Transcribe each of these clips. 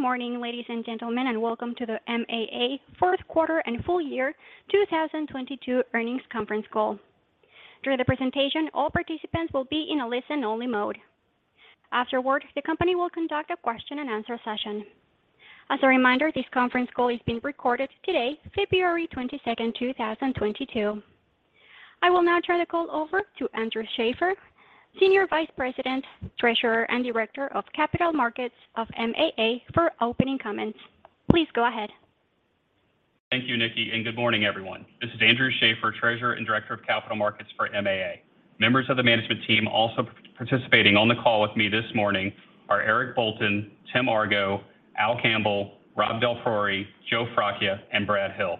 Morning, ladies and gentlemen, and welcome to the MAA fourth quarter and full year 2022 earnings conference call. During the presentation, all participants will be in a listen-only mode. Afterward, the company will conduct a question-and-answer session. As a reminder, this conference call is being recorded today, February 22nd, 2022. I will now turn the call over to Andrew Schaeffer, Senior Vice President, Treasurer, and Director of Capital Markets of MAA for opening comments. Please go ahead. Thank you, Nikki. Good morning, everyone. This is Andrew Schaeffer, Treasurer and Director of Capital Markets for MAA. Members of the management team also participating on the call with me this morning are Eric Bolton, Tim Argo, Al Campbell, Rob DelPriore, Joe Fracchia, and Brad Hill.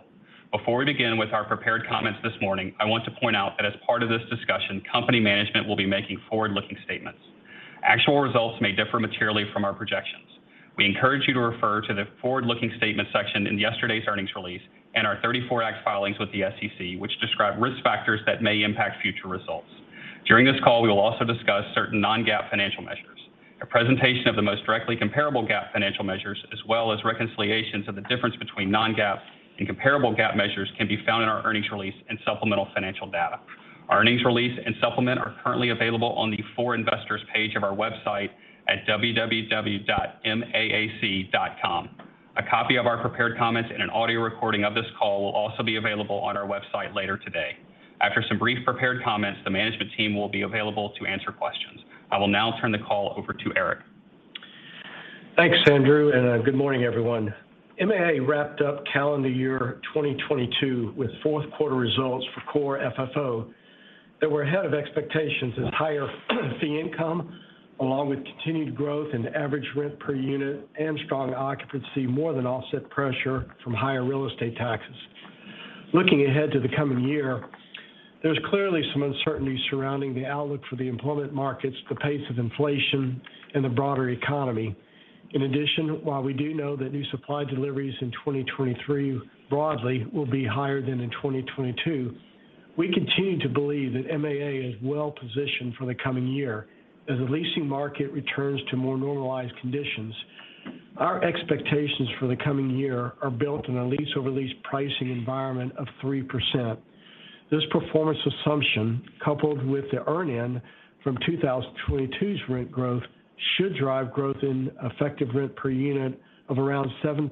Before we begin with our prepared comments this morning, I want to point out that as part of this discussion, company management will be making forward-looking statements. Actual results may differ materially from our projections. We encourage you to refer to the forward-looking statements section in yesterday's earnings release and our '34 Act filings with the SEC, which describe risk factors that may impact future results. During this call, we will also discuss certain non-GAAP financial measures. A presentation of the most directly comparable GAAP financial measures, as well as reconciliations of the difference between non-GAAP and comparable GAAP measures can be found in our earnings release and supplemental financial data. Our earnings release and supplement are currently available on the For Investors page of our website at www.maac.com. A copy of our prepared comments and an audio recording of this call will also be available on our website later today. After some brief prepared comments, the management team will be available to answer questions. I will now turn the call over to Eric. Thanks, Andrew, and good morning, everyone. MAA wrapped up calendar year 2022 with fourth quarter results for core FFO that were ahead of expectations as higher fee income, along with continued growth in average rent per unit and strong occupancy more than offset pressure from higher real estate taxes. Looking ahead to the coming year, there's clearly some uncertainty surrounding the outlook for the employment markets, the pace of inflation in the broader economy. In addition, while we do know that new supply deliveries in 2023 broadly will be higher than in 2022, we continue to believe that MAA is well-positioned for the coming year as the leasing market returns to more normalized conditions. Our expectations for the coming year are built in a lease over lease pricing environment of 3%. This performance assumption, coupled with the earn-in from 2022's rent growth, should drive growth in effective rent per unit of around 7%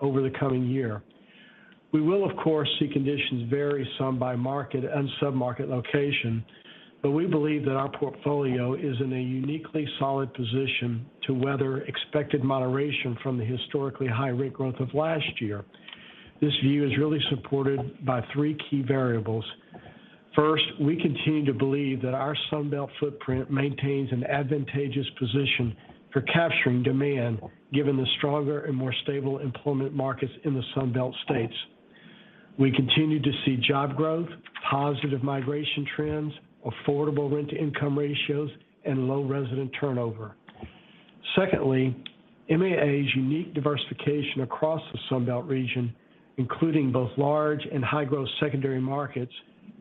over the coming year. We will, of course, see conditions vary some by market and sub-market location, but we believe that our portfolio is in a uniquely solid position to weather expected moderation from the historically high rate growth of last year. This view is really supported by three key variables. First, we continue to believe that our Sun Belt footprint maintains an advantageous position for capturing demand, given the stronger and more stable employment markets in the Sun Belt states. We continue to see job growth, positive migration trends, affordable rent-to-income ratios, and low resident turnover. Secondly, MAA's unique diversification across the Sun Belt region, including both large and high-growth secondary markets,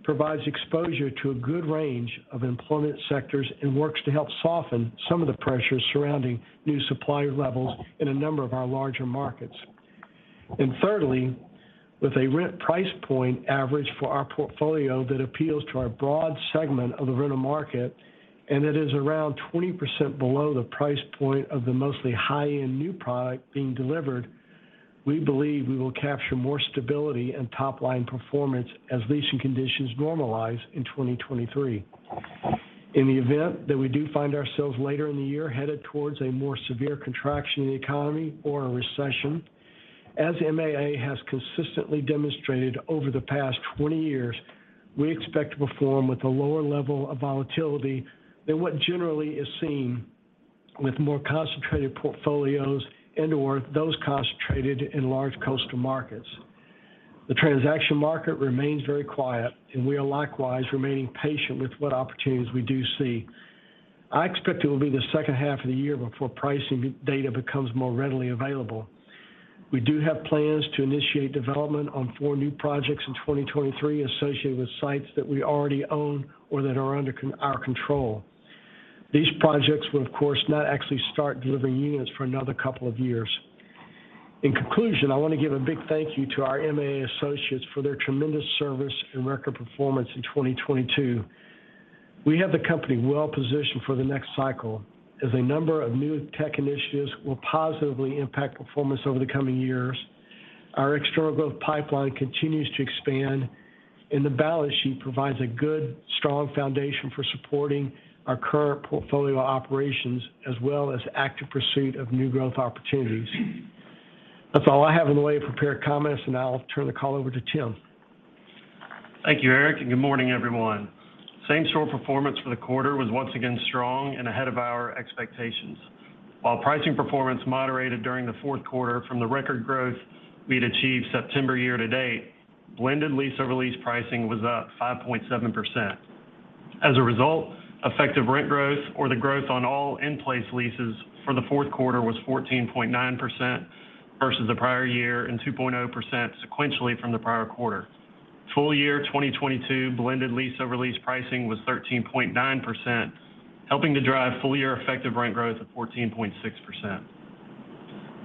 provides exposure to a good range of employment sectors and works to help soften some of the pressures surrounding new supply levels in a number of our larger markets. Thirdly, with a rent price point average for our portfolio that appeals to our broad segment of the rental market, and it is around 20% below the price point of the mostly high-end new product being delivered, we believe we will capture more stability and top-line performance as leasing conditions normalize in 2023. In the event that we do find ourselves later in the year headed towards a more severe contraction in the economy or a recession, as MAA has consistently demonstrated over the past 20 years, we expect to perform with a lower level of volatility than what generally is seen with more concentrated portfolios and/or those concentrated in large coastal markets. We are likewise remaining patient with what opportunities we do see. I expect it will be the second half of the year before pricing data becomes more readily available. We do have plans to initiate development on four new projects in 2023 associated with sites that we already own or that are under our control. These projects will, of course, not actually start delivering units for another couple of years. In conclusion, I want to give a big thank you to our MAA associates for their tremendous service and record performance in 2022. We have the company well-positioned for the next cycle as a number of new tech initiatives will positively impact performance over the coming years. Our external growth pipeline continues to expand, and the balance sheet provides a good, strong foundation for supporting our current portfolio operations as well as active pursuit of new growth opportunities. That's all I have in the way of prepared comments. I'll turn the call over to Tim. Thank you, Eric. Good morning, everyone. Same-store performance for the quarter was once again strong and ahead of our expectations. While pricing performance moderated during the fourth quarter from the record growth we'd achieved September year to date, blended lease over lease pricing was up 5.7%. As a result, effective rent growth or the growth on all in-place leases for the fourth quarter was 14.9% versus the prior year and 2.0% sequentially from the prior quarter. Full Year 2022 blended lease over lease pricing was 13.9%, helping to drive full year effective rent growth of 14.6%.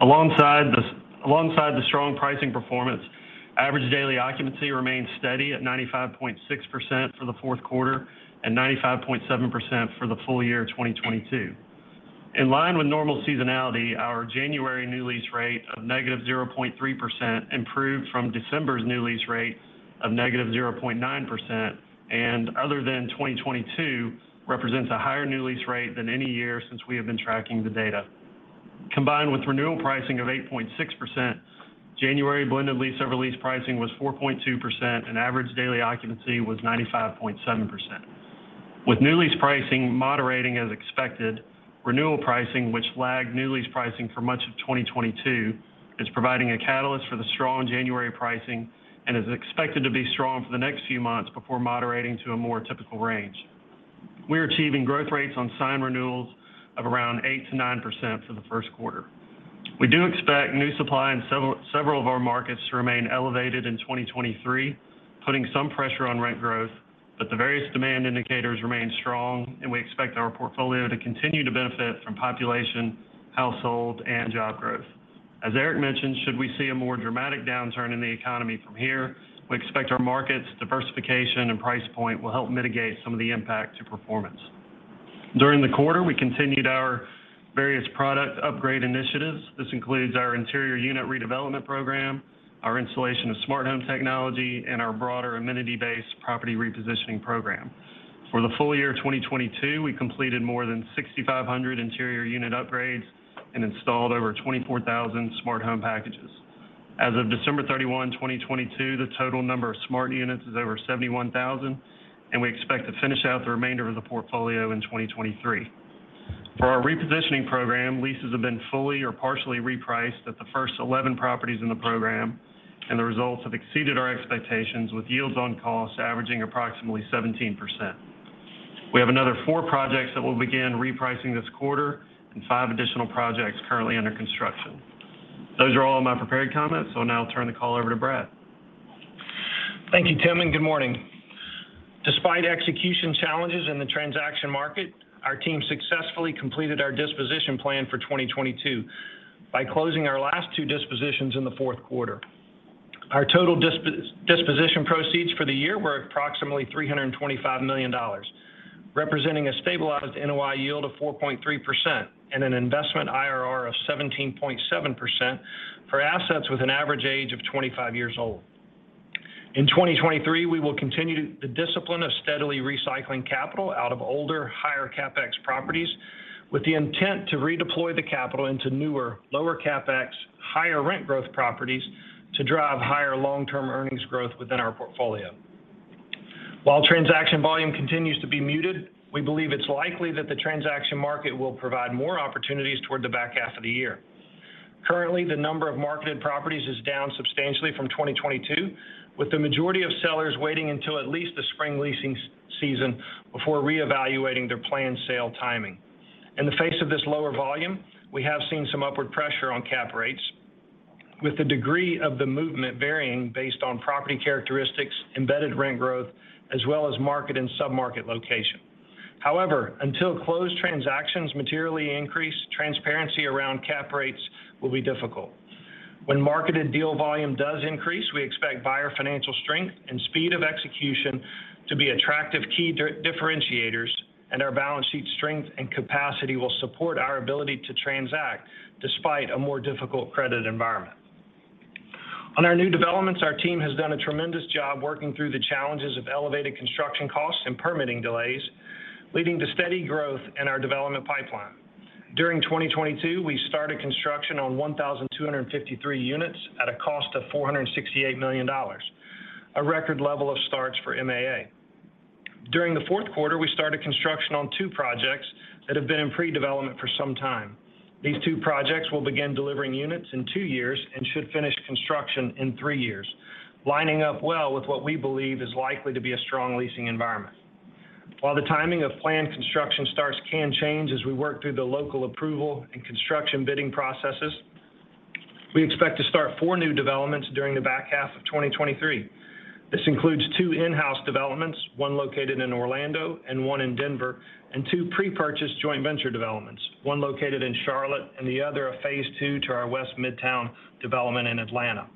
Alongside the strong pricing performance, average daily occupancy remains steady at 95.6% for the fourth quarter and 95.7% for the full year of 2022. In line with normal seasonality, our January new lease rate of -0.3% improved from December's new lease rate of -0.9%, and other than 2022, represents a higher new lease rate than any year since we have been tracking the data. Combined with renewal pricing of 8.6%, January blended lease over lease pricing was 4.2%, and average daily occupancy was 95.7%. With new lease pricing moderating as expected, renewal pricing, which lagged new lease pricing for much of 2022, is providing a catalyst for the strong January pricing and is expected to be strong for the next few months before moderating to a more typical range. We're achieving growth rates on signed renewals of around 8%-9% for the first quarter. We do expect new supply in several of our markets to remain elevated in 2023, putting some pressure on rent growth. The various demand indicators remain strong, and we expect our portfolio to continue to benefit from population, household, and job growth. As Eric mentioned, should we see a more dramatic downturn in the economy from here, we expect our markets, diversification, and price point will help mitigate some of the impact to performance. During the quarter, we continued our various product upgrade initiatives. This includes our interior unit redevelopment program, our installation of smart home technology, and our broader amenity-based property repositioning program. For the full year of 2022, we completed more than 6,500 interior unit upgrades and installed over 24,000 smart home packages. As of December 31, 2022, the total number of smart units is over 71,000, and we expect to finish out the remainder of the portfolio in 2023. For our repositioning program, leases have been fully or partially repriced at the first 11 properties in the program, and the results have exceeded our expectations, with yields on costs averaging approximately 17%. We have another four projects that will begin repricing this quarter and five additional projects currently under construction. Those are all my prepared comments. Now I'll turn the call over to Brad. Thank you, Tim, and good morning. Despite execution challenges in the transaction market, our team successfully completed our disposition plan for 2022 by closing our last two dispositions in the fourth quarter. Our total disposition proceeds for the year were approximately $325 million, representing a stabilized NOI yield of 4.3% and an investment IRR of 17.7% for assets with an average age of 25 years old. In 2023, we will continue the discipline of steadily recycling capital out of older, higher CapEx properties with the intent to redeploy the capital into newer, lower CapEx, higher rent growth properties to drive higher long-term earnings growth within our portfolio. While transaction volume continues to be muted, we believe it's likely that the transaction market will provide more opportunities toward the back half of the year. Currently, the number of marketed properties is down substantially from 2022, with the majority of sellers waiting until at least the spring leasing season before reevaluating their planned sale timing. In the face of this lower volume, we have seen some upward pressure on cap rates, with the degree of the movement varying based on property characteristics, embedded rent growth, as well as market and submarket location. Until closed transactions materially increase, transparency around cap rates will be difficult. When marketed deal volume does increase, we expect buyer financial strength and speed of execution to be attractive key differentiators, and our balance sheet strength and capacity will support our ability to transact despite a more difficult credit environment. On our new developments, our team has done a tremendous job working through the challenges of elevated construction costs and permitting delays, leading to steady growth in our development pipeline. During 2022, we started construction on 1,253 units at a cost of $468 million, a record level of starts for MAA. During the Q4, we started construction on two projects that have been in pre-development for some time. These two projects will begin delivering units in two years and should finish construction in three years, lining up well with what we believe is likely to be a strong leasing environment. While the timing of planned construction starts can change as we work through the local approval and construction bidding processes, we expect to start four new developments during the back half of 2023. This includes two in-house developments, one located in Orlando and one in Denver, and two pre-purchased joint venture developments, one located in Charlotte and the other a phase II to our West Midtown development in Atlanta.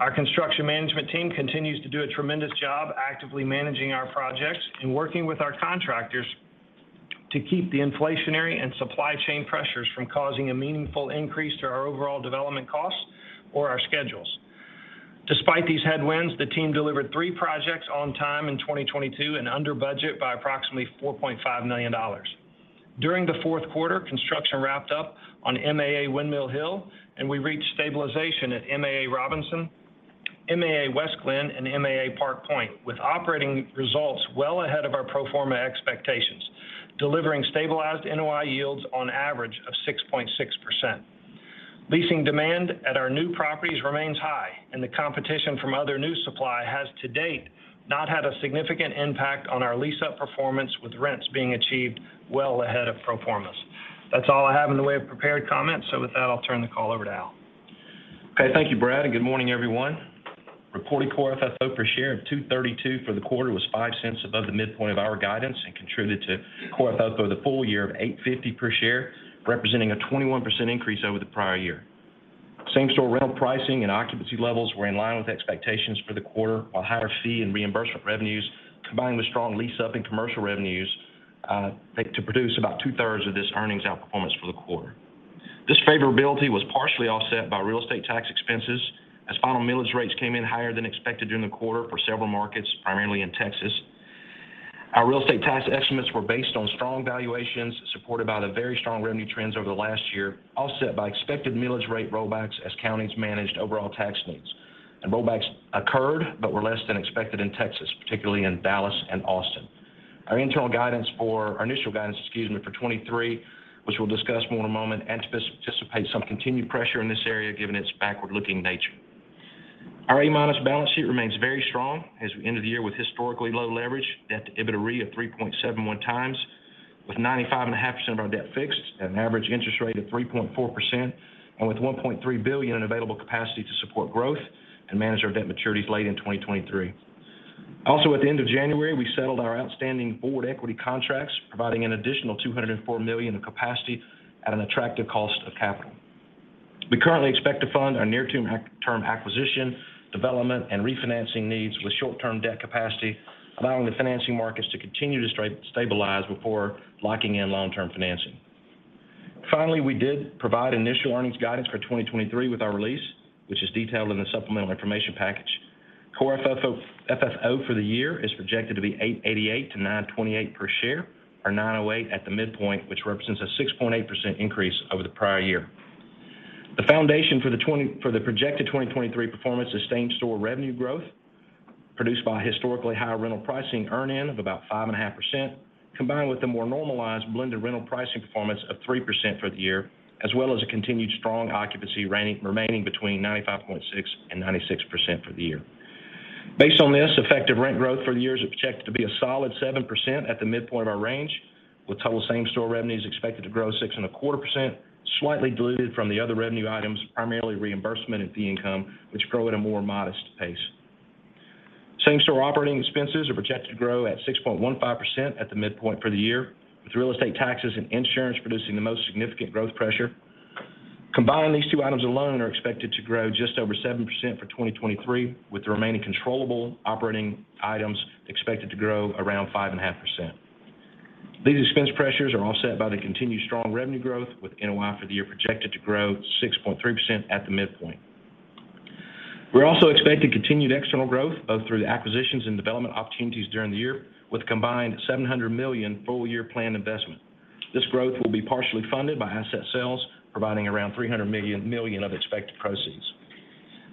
Our construction management team continues to do a tremendous job actively managing our projects and working with our contractors to keep the inflationary and supply chain pressures from causing a meaningful increase to our overall development costs or our schedules. Despite these headwinds, the team delivered three projects on time in 2022 and under budget by approximately $4.5 million. During the fourth quarter, construction wrapped up on MAA Windmill Hill. We reached stabilization at MAA Robinson, MAA West Glenn, and MAA Park Point, with operating results well ahead of our pro forma expectations, delivering stabilized NOI yields on average of 6.6%. Leasing demand at our new properties remains high, and the competition from other new supply has to date not had a significant impact on our lease-up performance, with rents being achieved well ahead of pro formas. That's all I have in the way of prepared comments. With that, I'll turn the call over to Al. Okay. Thank you, Brad. Good morning, everyone. Reporting core FFO per share of $2.32 for the quarter was $0.05 above the midpoint of our guidance and contributed to core FFO the full year of $8.50 per share, representing a 21% increase over the prior year. Same-store rental pricing and occupancy levels were in line with expectations for the quarter, while higher fee and reimbursement revenues, combined with strong lease-up and commercial revenues, like, to produce about two-thirds of this earnings outperformance for the quarter. This favorability was partially offset by real estate tax expenses, as final millage rates came in higher than expected during the quarter for several markets, primarily in Texas. Our real estate tax estimates were based on strong valuations, supported by the very strong revenue trends over the last year, offset by expected millage rate rollbacks as counties managed overall tax needs. Rollbacks occurred but were less than expected in Texas, particularly in Dallas and Austin. Our initial guidance, excuse me, for 2023, which we'll discuss more in a moment, anticipates some continued pressure in this area given its backward-looking nature. Our A-minus balance sheet remains very strong as we end the year with historically low leverage, debt-to-EBITDA of 3.71 times, with 95.5% of our debt fixed at an average interest rate of 3.4%, and with $1.3 billion in available capacity to support growth and manage our debt maturities late in 2023. At the end of January, we settled our outstanding forward equity contracts, providing an additional $204 million in capacity at an attractive cost of capital. We currently expect to fund our near-term acquisition, development, and refinancing needs with short-term debt capacity, allowing the financing markets to continue to stabilize before locking in long-term financing. Finally, we did provide initial earnings guidance for 2023 with our release, which is detailed in the supplemental information package. Core FFO for the year is projected to be $8.88-$9.28 per share, or $9.08 at the midpoint, which represents a 6.8% increase over the prior year. The foundation for the projected 2023 performance is same-store revenue growth produced by historically high rental pricing earn-in of about 5.5%, combined with the more normalized blended rental pricing performance of 3% for the year, as well as a continued strong occupancy remaining between 95.6% and 96% for the year. Based on this, effective rent growth for the year is projected to be a solid 7% at the midpoint of our range, with total same-store revenues expected to grow 6.25%, slightly diluted from the other revenue items, primarily reimbursement and fee income, which grow at a more modest pace. Same-store operating expenses are projected to grow at 6.15% at the midpoint for the year, with real estate taxes and insurance producing the most significant growth pressure. Combined, these two items alone are expected to grow just over 7% for 2023, with the remaining controllable operating items expected to grow around 5.5%. These expense pressures are offset by the continued strong revenue growth, with NOI for the year projected to grow 6.3% at the midpoint. We also expect a continued external growth, both through the acquisitions and development opportunities during the year, with a combined $700 million full year planned investment. This growth will be partially funded by asset sales, providing around $300 million of expected proceeds.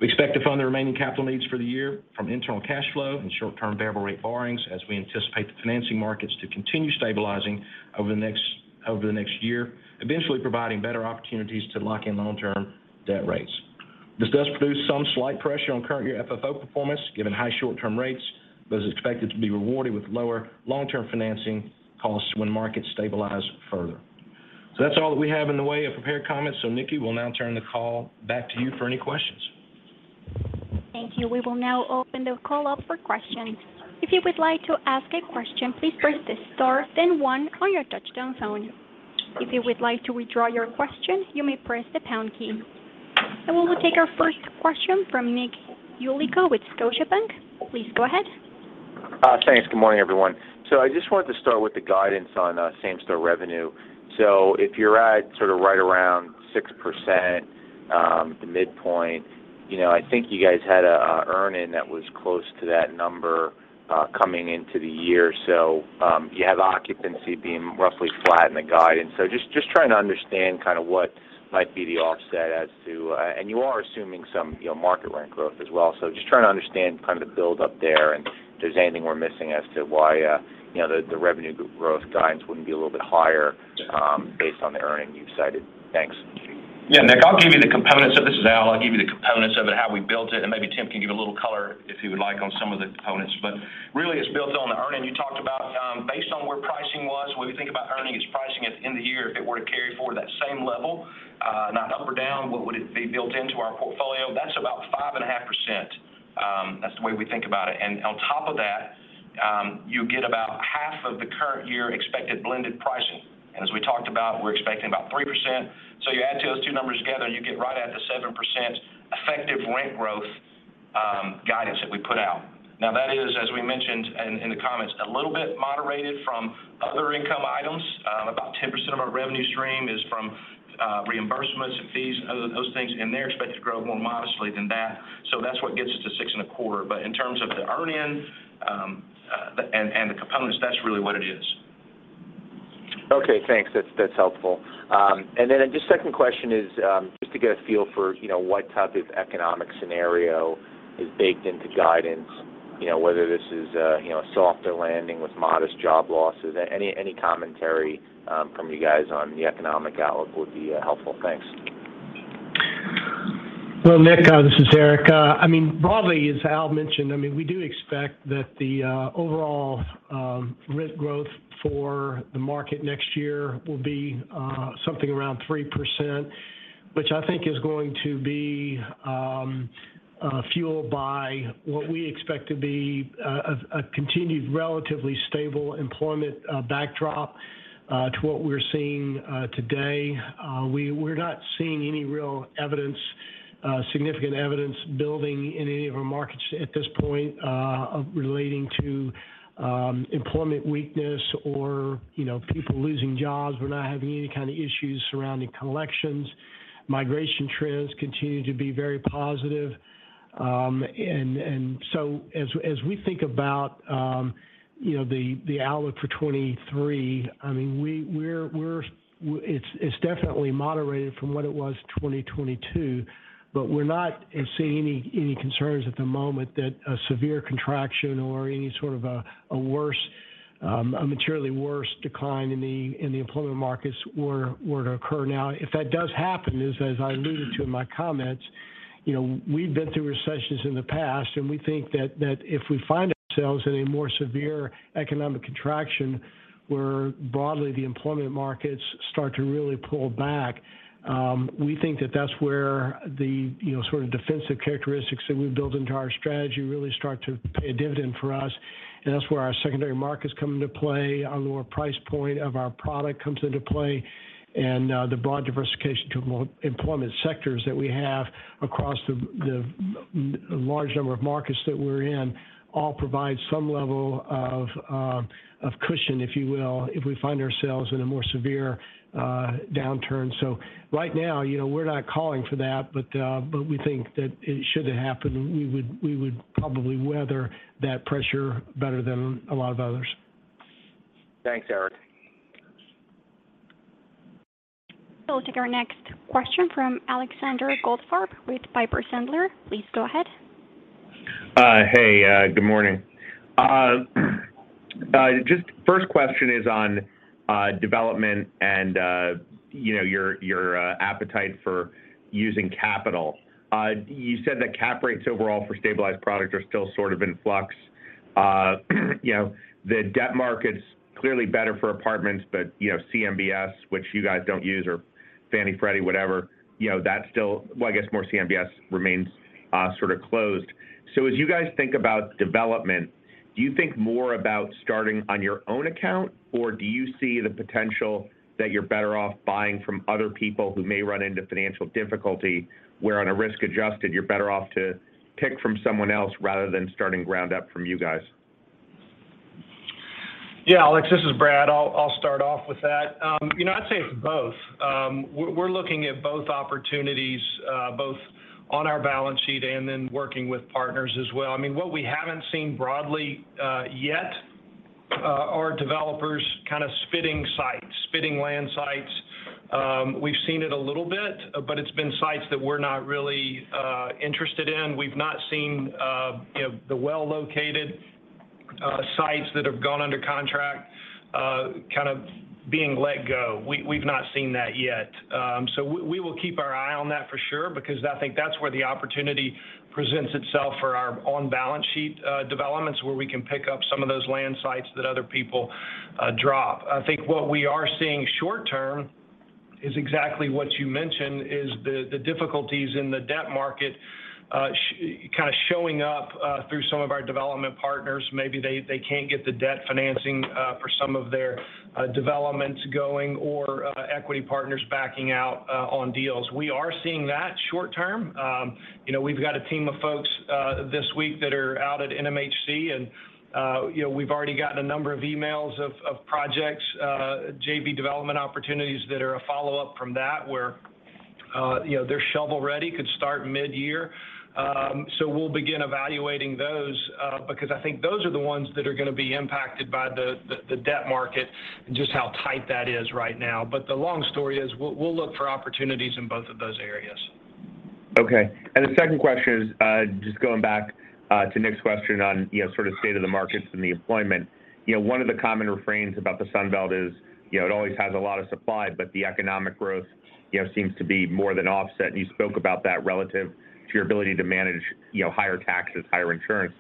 We expect to fund the remaining capital needs for the year from internal cash flow and short-term variable rate borrowings as we anticipate the financing markets to continue stabilizing over the next year, eventually providing better opportunities to lock in long-term debt rates. This does produce some slight pressure on current year FFO performance, given high short-term rates, but is expected to be rewarded with lower long-term financing costs when markets stabilize further. That's all that we have in the way of prepared comments. Nikki, we'll now turn the call back to you for any questions. Thank you. We will now open the call up for questions. If you would like to ask a question, please press star then one on your touchtone phone. If you would like to withdraw your question, you may press the pound key. We will take our first question from Nick Yulico with Scotiabank. Please go ahead. Thanks. Good morning, everyone. I just wanted to start with the guidance on same-store revenue. If you're at sort of right around 6%, the midpoint, you know, I think you guys had a earn-in that was close to that number coming into the year. You have occupancy being roughly flat in the guidance. Just trying to understand kind of what might be the offset as to. You are assuming some, you know, market rent growth as well. Just trying to understand kind of the build up there and if there's anything we're missing as to why, you know, the revenue growth guidance wouldn't be a little bit higher based on the earn-in you've cited. Thanks. Yeah, Nick, I'll give you the components of this now. I'll give you the components of it, how we built it, and maybe Tim can give a little color, if he would like, on some of the components. Really, it's built on the earn-in you talked about. Based on where pricing was, when we think about earn-in is pricing it end of year, if it were to carry forward that same level, not up or down, what would it be built into our portfolio? That's about 5.5%. That's the way we think about it. On top of that, you get about half of the current year expected blended pricing. As we talked about, we're expecting about 3%. You add those two numbers together, and you get right at the 7% effective rent growth guidance that we put out. That is, as we mentioned in the comments, a little bit moderated from other income items. About 10% of our revenue stream is from reimbursements and fees and other those things, and they're expected to grow more modestly than that. That's what gets us to 6.25%. In terms of the earn-in and the components, that's really what it is. Okay, thanks. That's helpful. Just second question is, just to get a feel for, you know, what type of economic scenario is baked into guidance, you know, whether this is a, you know, softer landing with modest job losses. Any commentary from you guys on the economic outlook would be helpful. Thanks. Well, Nick, this is Eric. I mean, broadly, as Al mentioned, I mean, we do expect that the overall rent growth for the market next year will be something around 3%, which I think is going to be fueled by what we expect to be a continued relatively stable employment backdrop to what we're seeing today. We're not seeing any real evidence, significant evidence building in any of our markets at this point, relating to employment weakness or, you know, people losing jobs. We're not having any kind of issues surrounding collections. Migration trends continue to be very positive. As we think about, you know, the outlook for 23, I mean, It's definitely moderated from what it was 2022, but we're not seeing any concerns at the moment that a severe contraction or any sort of a worse, a materially worse decline in the employment markets were to occur. Now, if that does happen, as I alluded to in my comments, you know, we've been through recessions in the past, and we think that if we find ourselves in a more severe economic contraction, where broadly the employment markets start to really pull back, we think that that's where the, you know, sort of defensive characteristics that we've built into our strategy really start to pay a dividend for us. That's where our secondary markets come into play, our lower price point of our product comes into play, and the broad diversification to employment sectors that we have across the large number of markets that we're in all provide some level of cushion, if you will, if we find ourselves in a more severe downturn. Right now, you know, we're not calling for that, but we think that it should happen. We would probably weather that pressure better than a lot of others. Thanks, Eric. We'll take our next question from Alexander Goldfarb with Piper Sandler. Please go ahead. Hey, good morning. Just first question is on development and, you know, your appetite for using capital. You said that cap rates overall for stabilized products are still sort of in flux. You know, the debt market's clearly better for apartments, but, you know, CMBS, which you guys don't use, or Fannie, Freddie, whatever, you know, that's still... Well, I guess more CMBS remains sort of closed. As you guys think about development, do you think more about starting on your own account, or do you see the potential that you're better off buying from other people who may run into financial difficulty, where on a risk-adjusted, you're better off to pick from someone else rather than starting ground up from you guys? Yeah, Alex, this is Brad. I'll start off with that. You know, I'd say it's both. We're looking at both opportunities, both on our balance sheet and then working with partners as well. I mean, what we haven't seen broadly yet are developers kind of spitting sites, spitting land sites. We've seen it a little bit, but it's been sites that we're not really interested in. We've not seen, you know, the well-located sites that have gone under contract kind of being let go. We've not seen that yet. We will keep our eye on that for sure because I think that's where the opportunity presents itself for our on-balance sheet developments, where we can pick up some of those land sites that other people drop. I think what we are seeing short term is exactly what you mentioned, is the difficulties in the debt market kind of showing up through some of our development partners. Maybe they can't get the debt financing for some of their developments going or equity partners backing out on deals. We are seeing that short term. you know, we've got a team of folks this week that are out at NMHC and, you know, we've already gotten a number of emails of projects, JV development opportunities that are a follow-up from that, where, you know, they're shovel-ready, could start mid-year. We'll begin evaluating those because I think those are the ones that are gonna be impacted by the debt market and just how tight that is right now. The long story is we'll look for opportunities in both of those areas. Okay. The second question is, just going back to Nick's question on, you know, sort of state of the markets and the employment. You know, one of the common refrains about the Sun Belt is, you know, it always has a lot of supply, but the economic growth, you know, seems to be more than offset, and you spoke about that relative to your ability to manage, you know, higher taxes, higher insurance.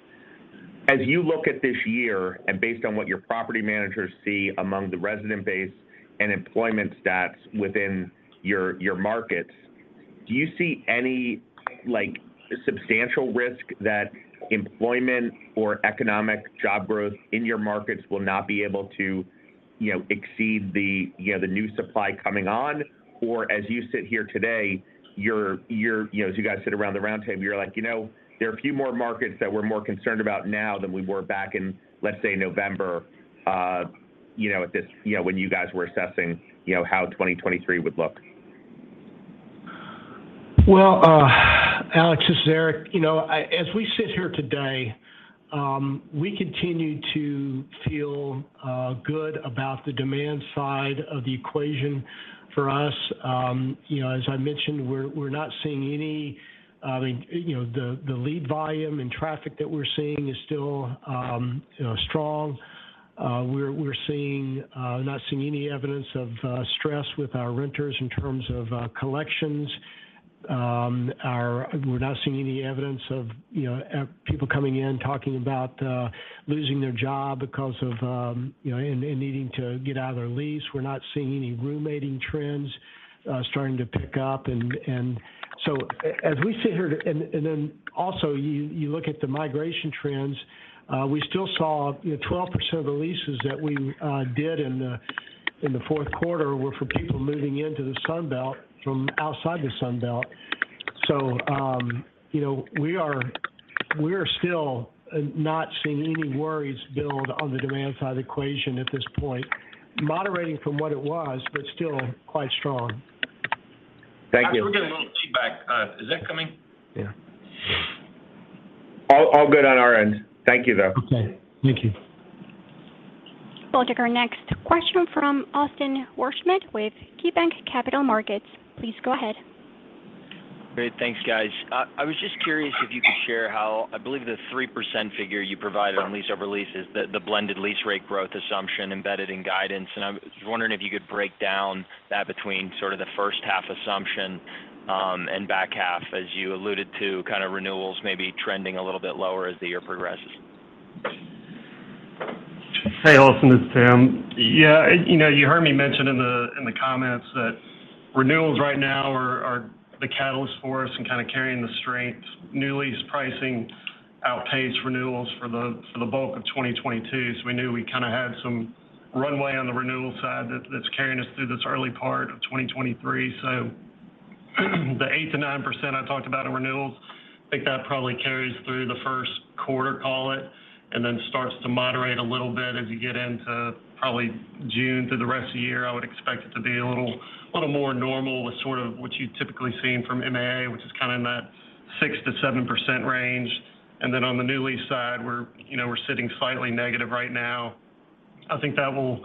As you look at this year and based on what your property managers see among the resident base and employment stats within your markets, do you see any, like, substantial risk that employment or economic job growth in your markets will not be able to, you know, exceed the, you know, the new supply coming on? As you sit here today, you're you know, as you guys sit around the roundtable, you're like, "You know, there are a few more markets that we're more concerned about now than we were back in, let's say, November," you know, when you guys were assessing, you know, how 2023 would look. Well, Alex, this is Eric. You know, as we sit here today, we continue to feel good about the demand side of the equation for us. You know, as I mentioned, we're not seeing any, you know, the lead volume and traffic that we're seeing is still, you know, strong. We're not seeing any evidence of stress with our renters in terms of collections. We're not seeing any evidence of, you know, people coming in, talking about losing their job because of, you know, and needing to get out of their lease. We're not seeing any roommating trends starting to pick up. As we sit here. Also, you look at the migration trends, we still saw, you know, 12% of the leases that we did in the fourth quarter were for people moving into the Sun Belt from outside the Sun Belt. You know, we're still not seeing any worries build on the demand side equation at this point. Moderating from what it was, but still quite strong. Thank you. We're getting a little feedback. Is that coming? Yeah. All good on our end. Thank you, though. Okay. Thank you. We'll take our next question from Austin Wurschmidt with KeyBanc Capital Markets. Please go ahead. Great. Thanks, guys. I was just curious if you could share how, I believe the 3% figure you provided on lease over lease is the blended lease rate growth assumption embedded in guidance. I'm just wondering if you could break down that between sort of the first half assumption, and back half, as you alluded to kind of renewals maybe trending a little bit lower as the year progresses. Hey, Austin, it's Tim. Yeah. You know, you heard me mention in the comments that renewals right now are the catalyst for us and kind of carrying the strength. New lease pricing outpaced renewals for the bulk of 2022. We knew we kind of had some runway on the renewal side that's carrying us through this early part of 2023. The 8% to 9% I talked about in renewals, I think that probably carries through the first quarter, call it, and then starts to moderate a little bit as you get into probably June through the rest of the year. I would expect it to be a little more normal with sort of what you've typically seen from MAA, which is kind of in that 6% to 7% range. On the new lease side, we're, you know, we're sitting slightly negative right now. I think that will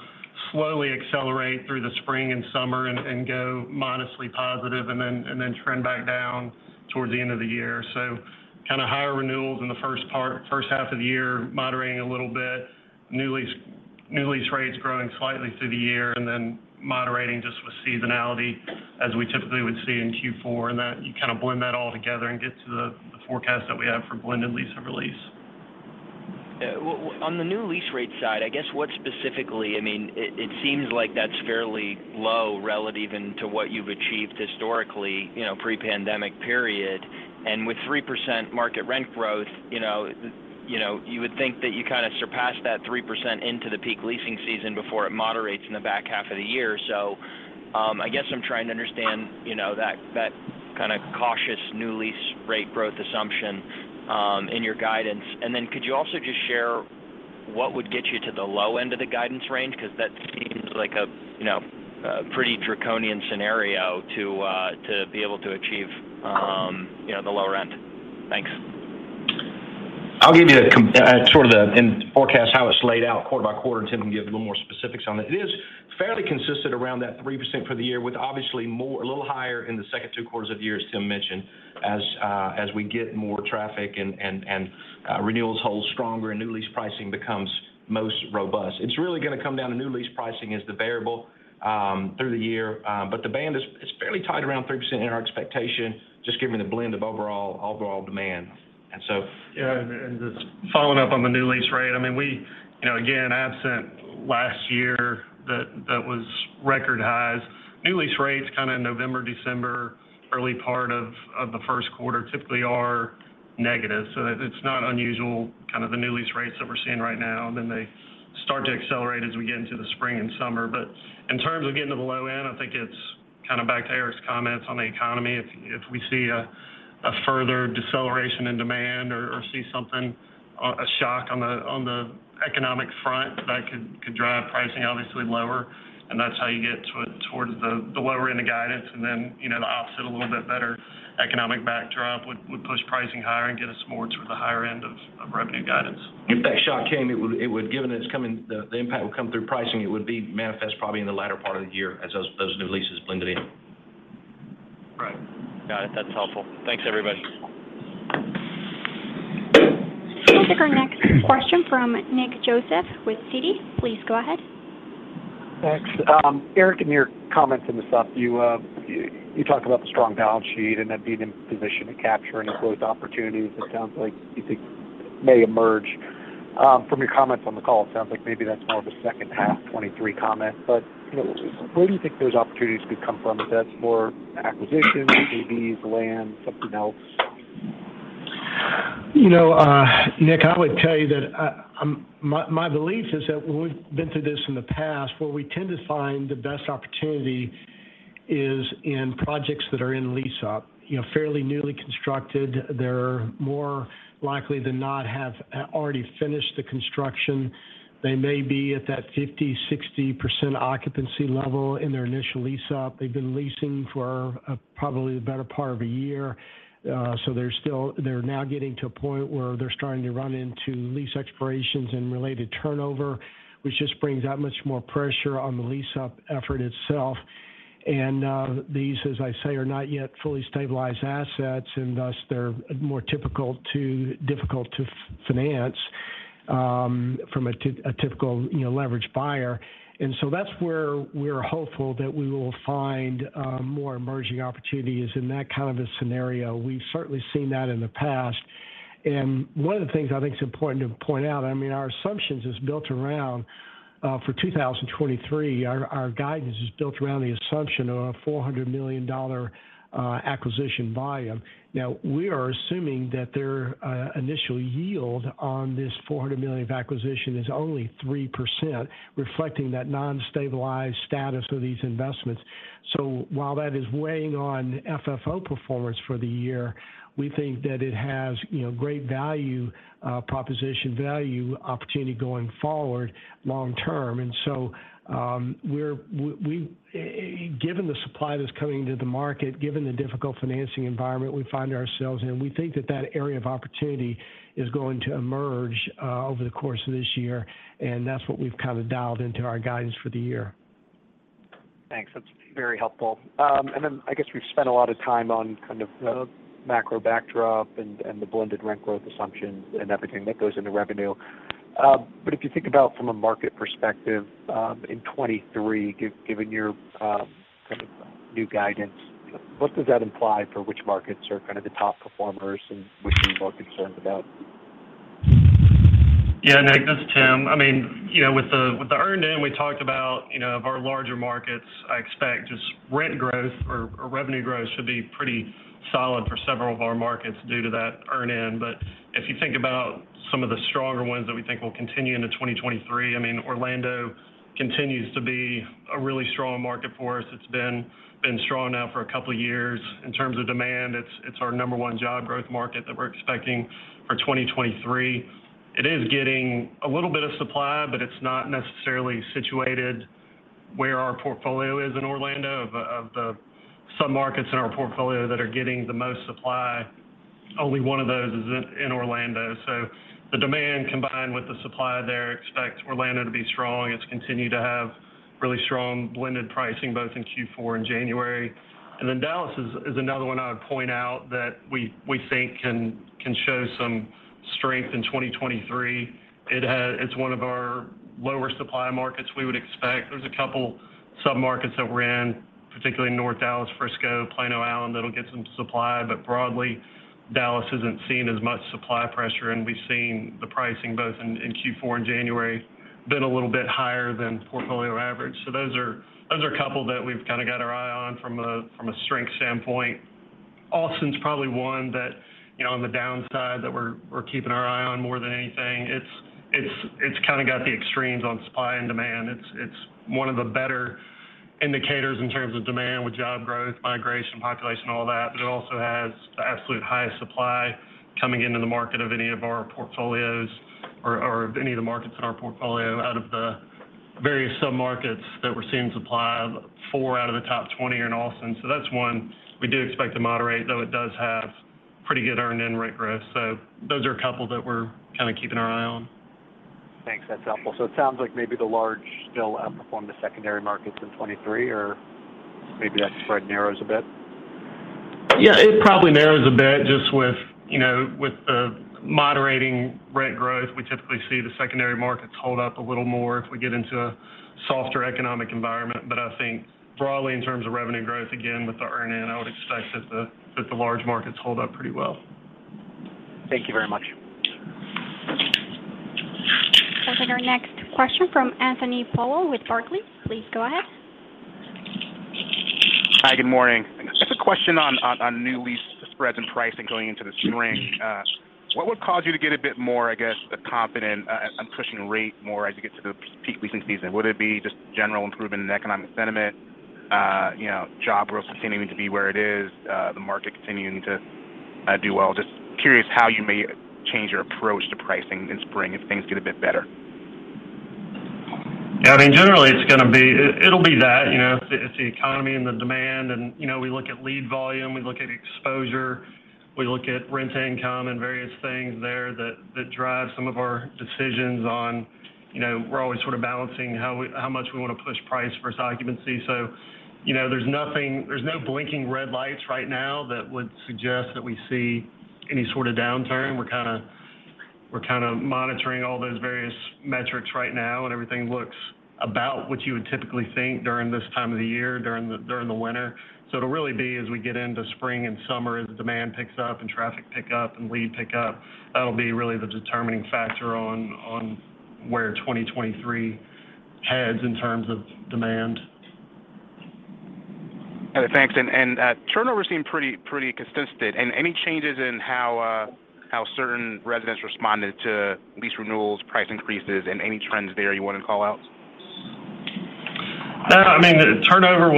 slowly accelerate through the spring and summer and go modestly positive and then trend back down towards the end of the year. Kind of higher renewals in the first part, first half of the year, moderating a little bit. New lease rates growing slightly through the year and then moderating just with seasonality as we typically would see in Q4. You kind of blend that all together and get to the forecast that we have for blended lease over lease. Yeah. Well, on the new lease rate side, I guess what specifically... I mean, it seems like that's fairly low relative, and to what you've achieved historically, you know, pre-pandemic period. With 3% market rent growth, you know, you would think that you kind of surpassed that 3% into the peak leasing season before it moderates in the back half of the year. I guess I'm trying to understand, you know, that kind of cautious new lease rate growth assumption in your guidance. Could you also just share what would get you to the low end of the guidance range? Because that seems like a, you know, a pretty draconian scenario to be able to achieve, you know, the lower end. Thanks. I'll give you a sort of forecast how it's laid out quarter by quarter. Tim can give a little more specifics on that. It is fairly consistent around that 3% for the year, with obviously a little higher in the second two quarters of the year, as Tim mentioned. As we get more traffic and renewals hold stronger and new lease pricing becomes most robust. It's really gonna come down to new lease pricing as the variable through the year. The band is fairly tight around 3% in our expectation, just given the blend of overall demand. Yeah. Just following up on the new lease rate. I mean, we, you know, again, absent last year that was record highs. New lease rates kind of November, December, early part of the first quarter typically are negative. It's not unusual kind of the new lease rates that we're seeing right now. Then they start to accelerate as we get into the spring and summer. In terms of getting to the low end, I think it's kind of back to Eric's comments on the economy. If we see a further deceleration in demand or see something, a shock on the economic front, that could drive pricing obviously lower. That's how you get towards the lower end of guidance. You know, the opposite, a little bit better economic backdrop would push pricing higher and get us more towards the higher end of revenue guidance. If that shock came, it would Given that it's coming, the impact would come through pricing, it would be manifest probably in the latter part of the year as those new leases blended in. Right. Got it. That's helpful. Thanks, everybody. We'll take our next question from Nick Joseph with Citi. Please go ahead. Thanks. Eric, in your comments in the sup, you talked about the strong balance sheet and that being in position to capture any growth opportunities. It sounds like you think may emerge. From your comments on the call, it sounds like maybe that's more of a second half 23 comment. You know, where do you think those opportunities could come from? If that's more acquisitions, JVs, land, something else? You know, Nick, I would tell you that my belief is that we've been through this in the past, where we tend to find the best opportunity is in projects that are in lease up. You know, fairly newly constructed. They're more likely than not have already finished the construction. They may be at that 50%, 60% occupancy level in their initial lease up. They've been leasing for probably the better part of a year. They're now getting to a point where they're starting to run into lease expirations and related turnover, which just brings that much more pressure on the lease up effort itself. These, as I say, are not yet fully stabilized assets and thus they're more difficult to finance from a typical, you know, leverage buyer. That's where we're hopeful that we will find more emerging opportunities in that kind of a scenario. We've certainly seen that in the past. One of the things I think is important to point out, I mean, our assumptions is built around for 2023, our guidance is built around the assumption of a $400 million acquisition volume. Now, we are assuming that their initial yield on this $400 million of acquisition is only 3%, reflecting that non-stabilized status of these investments. While that is weighing on FFO performance for the year, we think that it has, you know, great value, proposition value opportunity going forward long term. Given the supply that's coming to the market, given the difficult financing environment we find ourselves in, we think that that area of opportunity is going to emerge over the course of this year, and that's what we've kind of dialed into our guidance for the year. Thanks. That's very helpful. I guess we've spent a lot of time on kind of the macro backdrop and the blended rent growth assumptions and everything that goes into revenue. If you think about from a market perspective, in 2023, given your kind of new guidance, what does that imply for which markets are kind of the top performers and which are you more concerned about? Yeah. Nick, this is Tim. I mean, you know, with the earn-in, we talked about, you know, of our larger markets, I expect just rent growth or revenue growth should be pretty solid for several of our markets due to that earn-in. If you think about some of the stronger ones that we think will continue into 2023, I mean, Orlando continues to be a really strong market for us. It's been strong now for a couple of years. In terms of demand, it's our number one job growth market that we're expecting for 2023. It is getting a little bit of supply, but it's not necessarily situated where our portfolio is in Orlando. Of the submarkets in our portfolio that are getting the most supply, only one of those is in Orlando. The demand combined with the supply there expects Orlando to be strong. It's continued to have really strong blended pricing, both in Q4 and January. Dallas is another one I would point out that we think can show some strength in 2023. It's one of our lower supply markets we would expect. There's a couple submarkets that we're in, particularly North Dallas, Frisco, Plano, Allen, that'll get some supply. Broadly, Dallas isn't seeing as much supply pressure, and we've seen the pricing both in Q4 and January been a little bit higher than portfolio average. Those are a couple that we've kind of got our eye on from a strength standpoint. Austin's probably one that, you know, on the downside that we're keeping our eye on more than anything. It's kind of got the extremes on supply and demand. It's one of the better indicators in terms of demand with job growth, migration, population, all that. It also has the absolute highest supply coming into the market of any of our portfolios or any of the markets in our portfolio out of the various submarkets that we're seeing supply of four out of the top 20 are in Austin. That's one we do expect to moderate, though it does have pretty good earn-in rent growth. Those are a couple that we're kind of keeping our eye on. Thanks. That's helpful. It sounds like maybe the large still outperform the secondary markets in 2023, or maybe that spread narrows a bit. Yeah, it probably narrows a bit just with, you know, with the moderating rent growth. We typically see the secondary markets hold up a little more if we get into a softer economic environment. I think broadly in terms of revenue growth, again, with the earn-in, I would expect that the large markets hold up pretty well. Thank you very much. Sure. We'll take our next question from Anthony Powell with Barclays. Please go ahead. Hi, good morning. Just a question on new lease spreads and pricing going into the spring. What would cause you to get a bit more, I guess, confident on pushing rate more as you get to the peak leasing season? Would it be just general improvement in economic sentiment, you know, job growth continuing to be where it is, the market continuing to do well? Just curious how you may change your approach to pricing in spring if things get a bit better. Yeah, I mean, generally, it's gonna be, it'll be that, you know. It's the economy and the demand and, you know, we look at lead volume, we look at exposure, we look at rent income and various things there that drive some of our decisions on, you know, we're always sort of balancing how much we wanna push price versus occupancy. You know, there's no blinking red lights right now that would suggest that we see any sort of downturn. We're kinda monitoring all those various metrics right now, and everything looks about what you would typically think during this time of the year, during the winter. It'll really be as we get into spring and summer, as the demand picks up and traffic pick up and lead pick up, that'll be really the determining factor on where 2023 heads in terms of demand. Okay. Thanks. Turnover seemed pretty consistent. Any changes in how certain residents responded to lease renewals, price increases, and any trends there you wanna call out? No. I mean, the turnover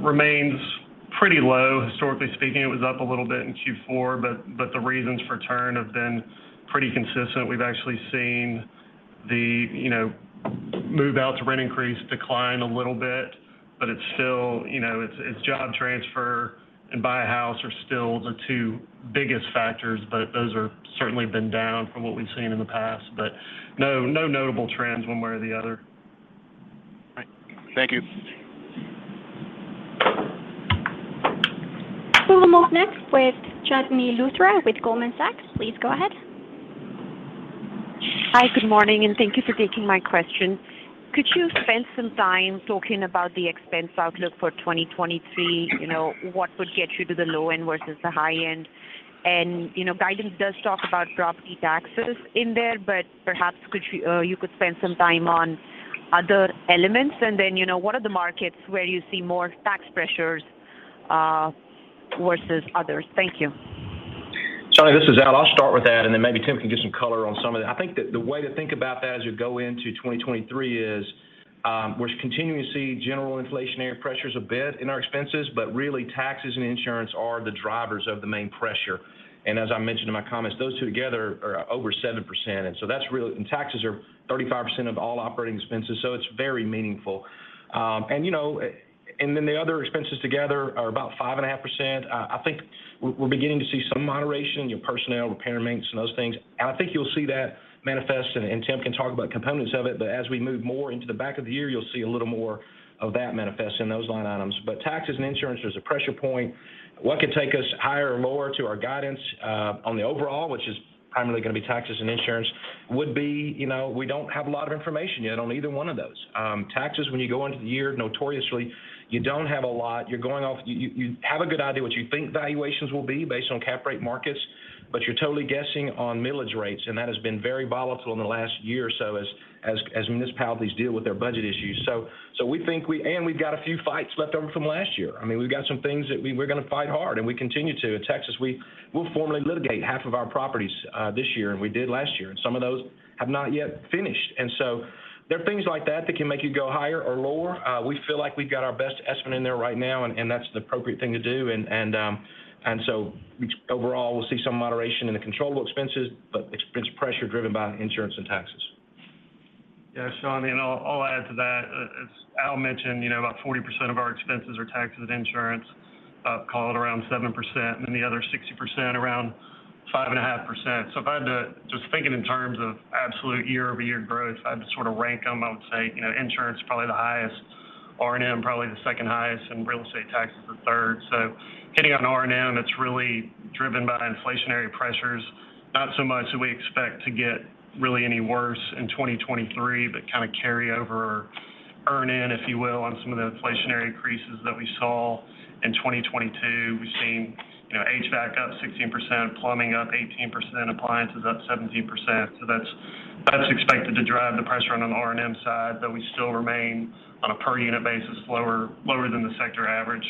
remains pretty low, historically speaking. It was up a little bit in Q4, but the reasons for turn have been pretty consistent. We've actually seen the, you know, move-out to rent increase decline a little bit, but it's still, you know, it's job transfer and buy a house are still the two biggest factors, but those are certainly been down from what we've seen in the past. No, no notable trends one way or the other. Right. Thank you. We'll move next with Chandni Luthra with Goldman Sachs. Please go ahead. Hi. Good morning, and thank you for taking my question. Could you spend some time talking about the expense outlook for 2023? You know, what would get you to the low end versus the high end? You know, guidance does talk about property taxes in there, but perhaps could you could spend some time on other elements, and then, you know, what are the markets where you see more tax pressures versus others? Thank you. Chandni, this is Al. I'll start with that. Then maybe Tim can give some color on some of that. I think that the way to think about that as you go into 2023 is, we're continuing to see general inflationary pressures a bit in our expenses, really taxes and insurance are the drivers of the main pressure. As I mentioned in my comments, those two together are over 7%. Taxes are 35% of all operating expenses, so it's very meaningful. You know, then the other expenses together are about 5.5%. I think we're beginning to see some moderation in your personnel, repair, maintenance, and those things. I think you'll see that manifest, and Tim can talk about components of it, but as we move more into the back of the year, you'll see a little more of that manifest in those line items. Taxes and insurance, there's a pressure point. What could take us higher or lower to our guidance on the overall, which is primarily gonna be taxes and insurance, would be, you know, we don't have a lot of information yet on either one of those. Taxes, when you go into the year, notoriously, you don't have a lot. You're going off. You have a good idea what you think valuations will be based on cap rate markets, but you're totally guessing on millage rates, and that has been very volatile in the last year or so as municipalities deal with their budget issues. We think and we've got a few fights left over from last year. I mean, we've got some things that we're gonna fight hard, and we continue to. In Texas, we'll formally litigate half of our properties this year, and we did last year, and some of those have not yet finished. There are things like that that can make you go higher or lower. We feel like we've got our best estimate in there right now, and that's the appropriate thing to do. overall, we'll see some moderation in the controllable expenses, but expense pressure driven by insurance and taxes. Yeah. I mean, I'll add to that. As Al mentioned, you know, about 40% of our expenses are taxes and insurance, call it around 7%, and then the other 60% around 5.5%. If I had to just think it in terms of absolute year-over-year growth, I'd sort of rank them. I would say, you know, insurance probably the highest, R&M probably the second highest, and real estate taxes the third. Hitting on R&M, that's really driven by inflationary pressures. Not so much that we expect to get really any worse in 2023, but kind of carry over or earn-in, if you will, on some of the inflationary increases that we saw in 2022. We've seen, you know, HVAC up 16%, plumbing up 18%, appliances up 17%. That's expected to drive the pressure on the R&M side, though we still remain on a per unit basis lower than the sector average.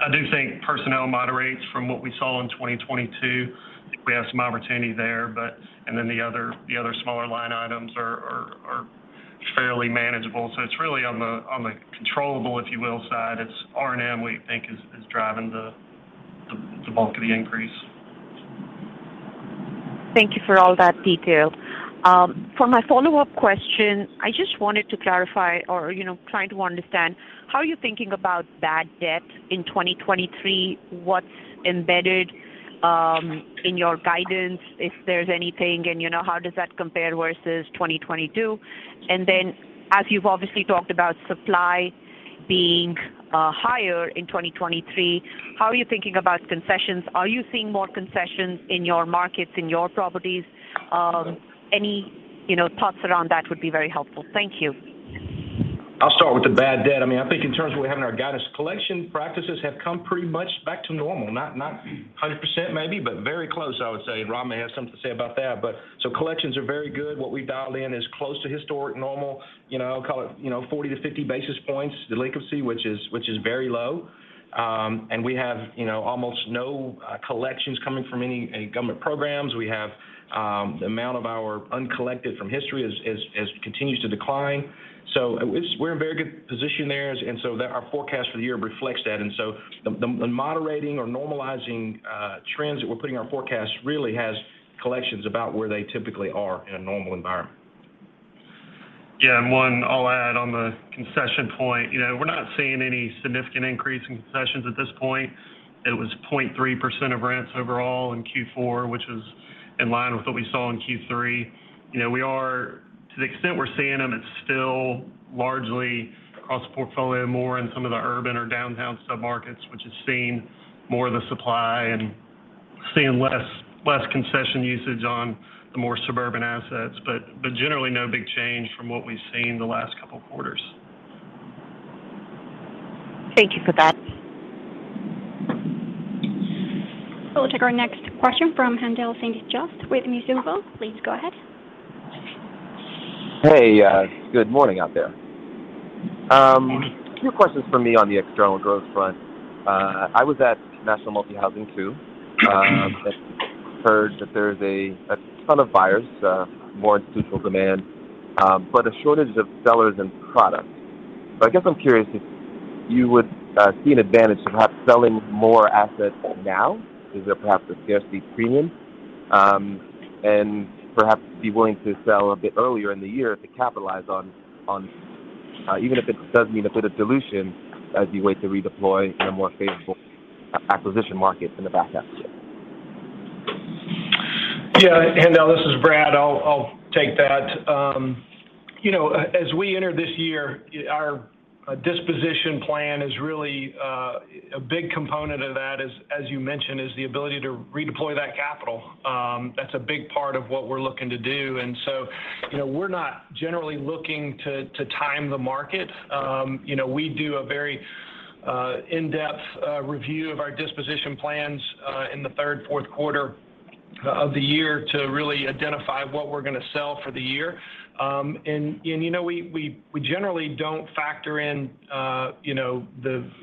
I do think personnel moderates from what we saw in 2022. I think we have some opportunity there, but. The other smaller line items are fairly manageable. It's really on the controllable, if you will, side. R&M we think is driving the bulk of the increase. Thank you for all that detail. For my follow-up question, I just wanted to clarify or, you know, trying to understand, how are you thinking about bad debt in 2023? What's embedded in your guidance, if there's anything, and, you know, how does that compare versus 2022? As you've obviously talked about supply being higher in 2023, how are you thinking about concessions? Are you seeing more concessions in your markets, in your properties? Any, you know, thoughts around that would be very helpful. Thank you. I'll start with the bad debt. I mean, I think in terms of what we have in our guidance, collection practices have come pretty much back to normal. Not 100% maybe, but very close, I would say. Rob may have something to say about that. Collections are very good. What we dialed in is close to historic normal. You know, I'll call it, you know, 40 to 50 basis points delinquency, which is very low. We have, you know, almost no collections coming from any government programs. We have, the amount of our uncollected from history has continues to decline. We're in a very good position there. Our forecast for the year reflects that. The moderating or normalizing trends that we're putting our forecast really has collections about where they typically are in a normal environment. Yeah. One I'll add on the concession point. You know, we're not seeing any significant increase in concessions at this point. It was 0.3% of rents overall in Q4, which is in line with what we saw in Q3. You know, to the extent we're seeing them, it's still largely across the portfolio more in some of the urban or downtown submarkets, which has seen more of the supply and seeing less concession usage on the more suburban assets. Generally no big change from what we've seen the last couple quarters. Thank you for that. We'll take our next question from Haendel St. Juste with Mizuho. Please go ahead. Hey. Good morning out there. Two questions from me on the external growth front. I was at National Multi-Housing too. I heard that there's a ton of buyers, more institutional demand, but a shortage of sellers and products. I guess I'm curious if you would see an advantage to perhaps selling more assets now? Is there perhaps a scarcity premium, and perhaps be willing to sell a bit earlier in the year to capitalize on, even if it does mean a bit of dilution as you wait to redeploy in a more favorable acquisition market in the back half of the year? Yeah. This is Brad. I'll take that. you know, as we enter this year, our disposition plan is really. A big component of that is, as you mentioned, is the ability to redeploy that capital. That's a big part of what we're looking to do. you know, we're not generally looking to time the market. you know, we do a very in-depth review of our disposition plans in the third, fourth quarter of the year to really identify what we're gonna sell for the year. And, you know, we generally don't factor in, you know,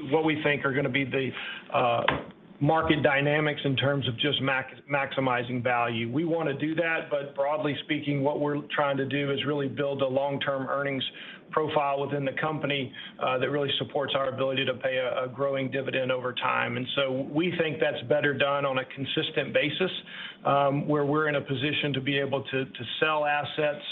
what we think are gonna be the market dynamics in terms of just maximizing value, but broadly speaking, what we're trying to do is really build a long-term earnings profile within the company that really supports our ability to pay a growing dividend over time. We think that's better done on a consistent basis where we're in a position to be able to sell assets,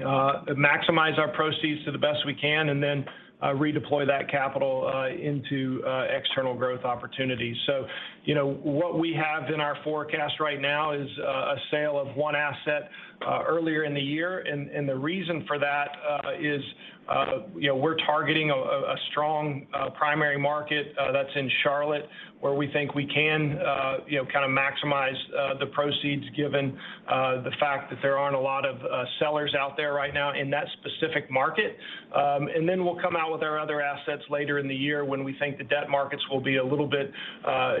maximize our proceeds to the best we can, and then redeploy that capital into external growth opportunities. You know, what we have in our forecast right now is a sale of one asset earlier in the year The reason for that is, you know, we're targeting a strong, primary market that's in Charlotte, where we think we can, you know, kind of maximize the proceeds given the fact that there aren't a lot of sellers out there right now in that specific market. Then we'll come out with our other assets later in the year when we think the debt markets will be a little bit,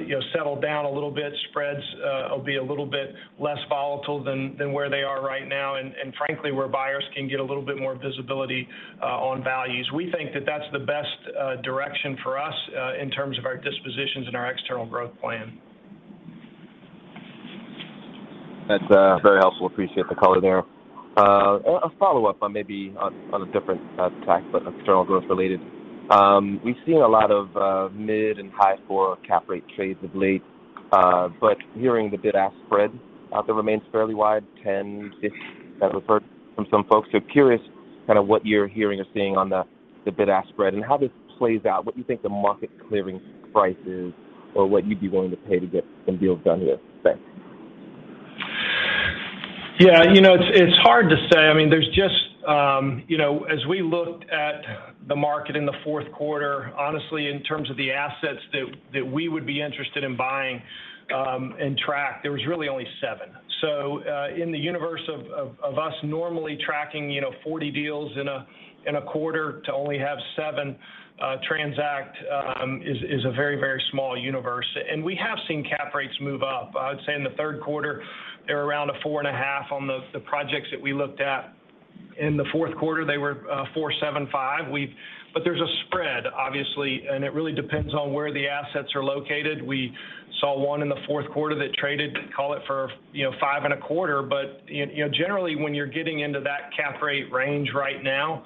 you know, settled down a little bit, spreads will be a little bit less volatile than where they are right now, and frankly, where buyers can get a little bit more visibility on values. We think that that's the best direction for us in terms of our dispositions and our external growth plan. That's very helpful. Appreciate the color there. A follow-up on maybe on a different tact, but external growth related. We've seen a lot of mid and high four cap rate trades of late, but hearing the bid-ask spread out there remains fairly wide, ten, six, I've referred from some folks. Curious kind of what you're hearing or seeing on the bid-ask spread and how this plays out, what you think the market clearing price is or what you'd be willing to pay to get some deals done here. Thanks. Yeah. You know, it's hard to say. I mean, there's just, you know, as we looked at the market in the fourth quarter, honestly, in terms of the assets that we would be interested in buying, and track, there was really only seven. In the universe of us normally tracking, you know, 40 deals in a quarter to only have seven transact, is a very small universe. We have seen cap rates move up. I would say in the third quarter, they were around a 4.5% on the projects that we looked at. In the fourth quarter, they were 4.75%. There's a spread, obviously, and it really depends on where the assets are located. We saw one in the fourth quarter that traded, call it for, you know, five and a quarter. you know, generally, when you're getting into that cap rate range right now,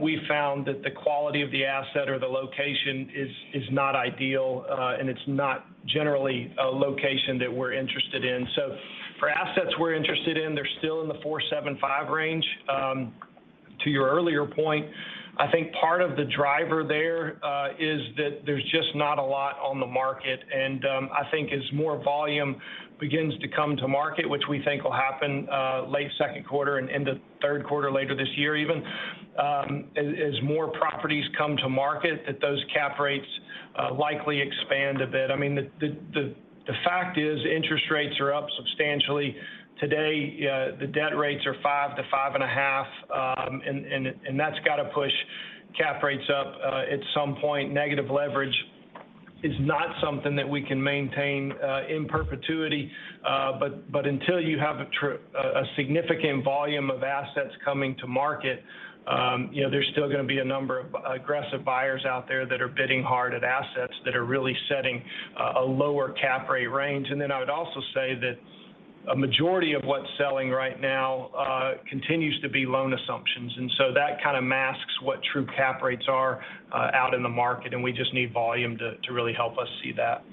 we found that the quality of the asset or the location is not ideal, and it's not generally a location that we're interested in. For assets we're interested in, they're still in the 4.75 range. To your earlier point, I think part of the driver there is that there's just not a lot on the market. I think as more volume begins to come to market, which we think will happen late second quarter and into third quarter later this year even, as more properties come to market, that those cap rates likely expand a bit. I mean, the fact is interest rates are up substantially. Today, the debt rates are five to five point five, and that's gotta push cap rates up at some point. Negative leverage is not something that we can maintain in perpetuity. Until you have a significant volume of assets coming to market, you know, there's still gonna be a number of aggressive buyers out there that are bidding hard at assets that are really setting a lower cap rate range. Then I would also say that a majority of what's selling right now continues to be loan assumptions. So that kind of masks what true cap rates are out in the market, and we just need volume to really help us see that.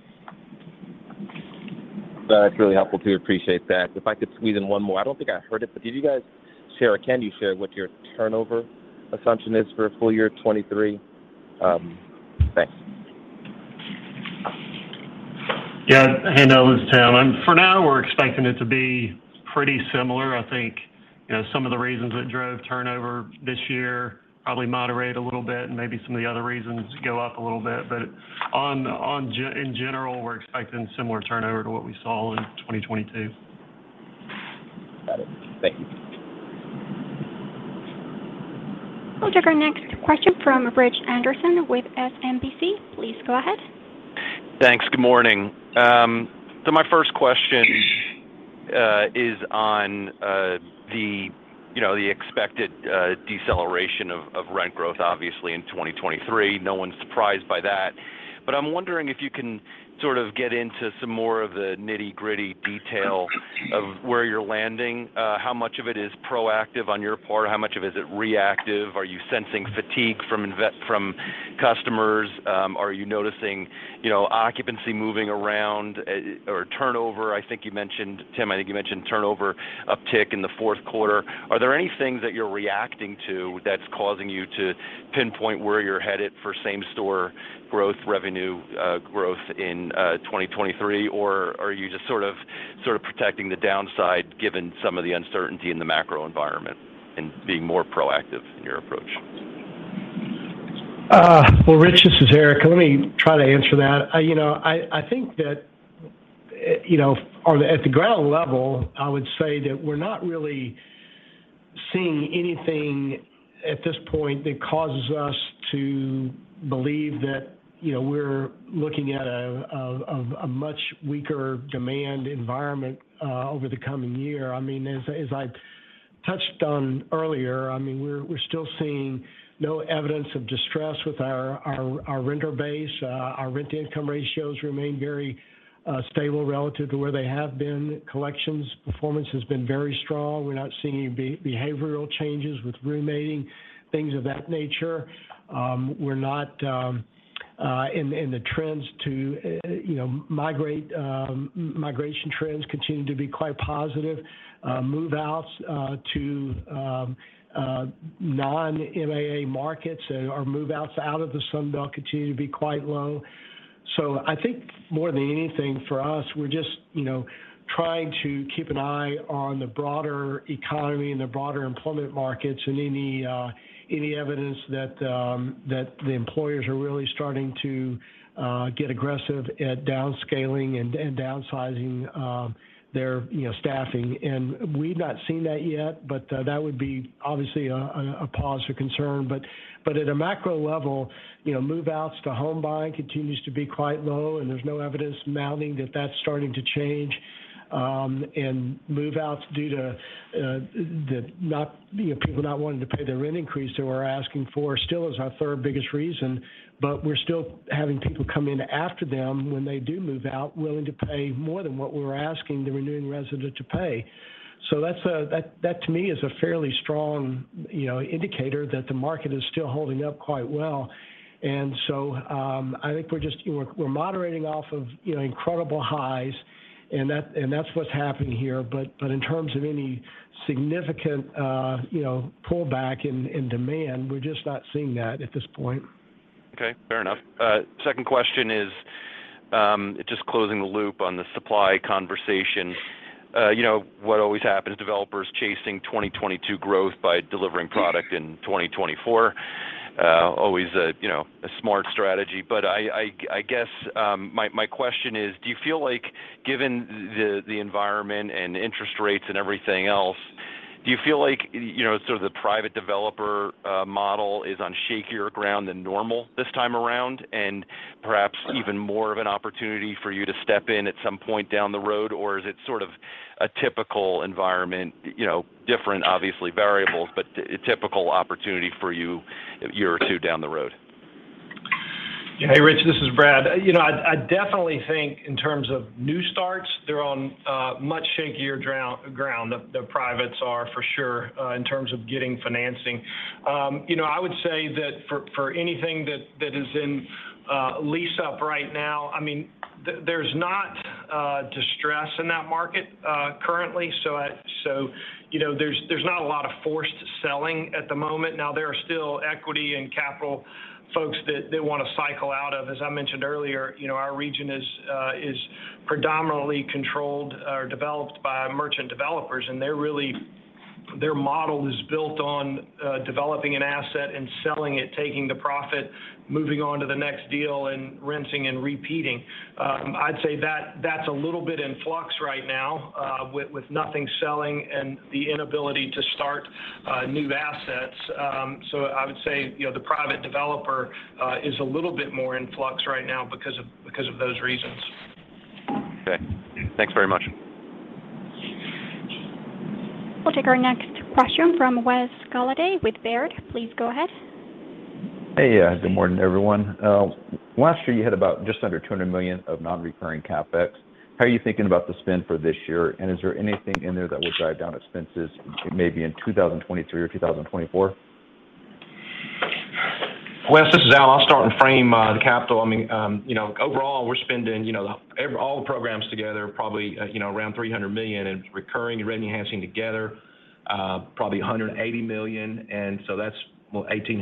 That's really helpful too. Appreciate that. If I could squeeze in one more. I don't think I heard it, but did you guys share or can you share what your turnover assumption is for full year 2023? Thanks. Yeah. Haendel, this is Tim. For now we're expecting it to be pretty similar. I think, you know, some of the reasons that drove turnover this year probably moderate a little bit, and maybe some of the other reasons go up a little bit. In general, we're expecting similar turnover to what we saw in 2022. Got it. Thank you. We'll take our next question from Rich Anderson with SMBC. Please go ahead. Thanks. Good morning. My first question is on the, you know, the expected deceleration of rent growth obviously in 2023. No one's surprised by that. I'm wondering if you can sort of get into some more of the nitty-gritty detail of where you're landing, how much of it is proactive on your part, how much of is it reactive, are you sensing fatigue from customers, are you noticing, you know, occupancy moving around, or turnover? I think you mentioned, Tim, you mentioned turnover uptick in the fourth quarter. Are there any things that you're reacting to that's causing you to pinpoint where you're headed for same store growth, revenue, growth in 2023? Are you just sort of protecting the downside given some of the uncertainty in the macro environment and being more proactive in your approach? Well, Rich, this is Eric. Let me try to answer that. I, you know, I think that, you know, at the ground level, I would say that we're not really seeing anything at this point that causes us to believe that, you know, we're looking at a much weaker demand environment over the coming year. I mean, as I touched on earlier, I mean, we're still seeing no evidence of distress with our renter base. Our rent income ratios remain very stable relative to where they have been. Collections performance has been very strong. We're not seeing behavioral changes with roommating, things of that nature. We're not. The trends to, you know, migrate, migration trends continue to be quite positive. Move-outs to non-MAA markets or move-outs out of the Sun Belt continue to be quite low. I think more than anything for us, we're just, you know, trying to keep an eye on the broader economy and the broader employment markets and any evidence that the employers are really starting to get aggressive at downscaling and downsizing their, you know, staffing. We've not seen that yet, but that would be obviously a cause for concern. At a macro level, you know, move-outs to home buying continues to be quite low, and there's no evidence mounting that that's starting to change. Move-outs due to, you know, people not wanting to pay the rent increase that we're asking for still is our third biggest reason. We're still having people come in after them when they do move out, willing to pay more than what we're asking the renewing resident to pay. That to me is a fairly strong, you know, indicator that the market is still holding up quite well. I think we're just... We're moderating off of, you know, incredible highs, and that's what's happening here. In terms of any significant, you know, pullback in demand, we're just not seeing that at this point. Okay. Fair enough. Second question is, just closing the loop on the supply conversation. You know what always happens, developers chasing 2022 growth by delivering product in 2024. Always a, you know, a smart strategy. I guess, my question is, do you feel like given the environment and interest rates and everything else, do you feel like, you know, sort of the private developer model is on shakier ground than normal this time around, and perhaps even more of an opportunity for you to step in at some point down the road? Or is it sort of a typical environment, you know, different obviously variables, but a typical opportunity for you a year or two down the road? Hey, Rich, this is Brad. You know, I definitely think in terms of new starts, they're on much shakier ground. The privates are for sure in terms of getting financing. You know, I would say that for anything that is in lease up right now, I mean, there's not distress in that market currently. You know, there's not a lot of forced selling at the moment. Now, there are still equity and capital folks that they wanna cycle out of. As I mentioned earlier, you know, our region is predominantly controlled or developed by merchant developers, and their model is built on developing an asset and selling it, taking the profit, moving on to the next deal, and rinsing and repeating. I'd say that's a little bit in flux right now, with nothing selling and the inability to start new assets. I would say, you know, the private developer is a little bit more in flux right now because of those reasons. Okay. Thanks very much. We'll take our next question from Wesley Golladay with Baird. Please go ahead. Hey. Good morning, everyone. Last year you had about just under $200 million of non-recurring CapEx. How are you thinking about the spend for this year? Is there anything in there that will drive down expenses maybe in 2023 or 2024? Wes, this is Al. I'll start and frame the capital. I mean, you know, overall, we're spending, you know, all the programs together probably, you know, around $300 million. In recurring and rent-enhancing together, probably $180 million. That's $1,800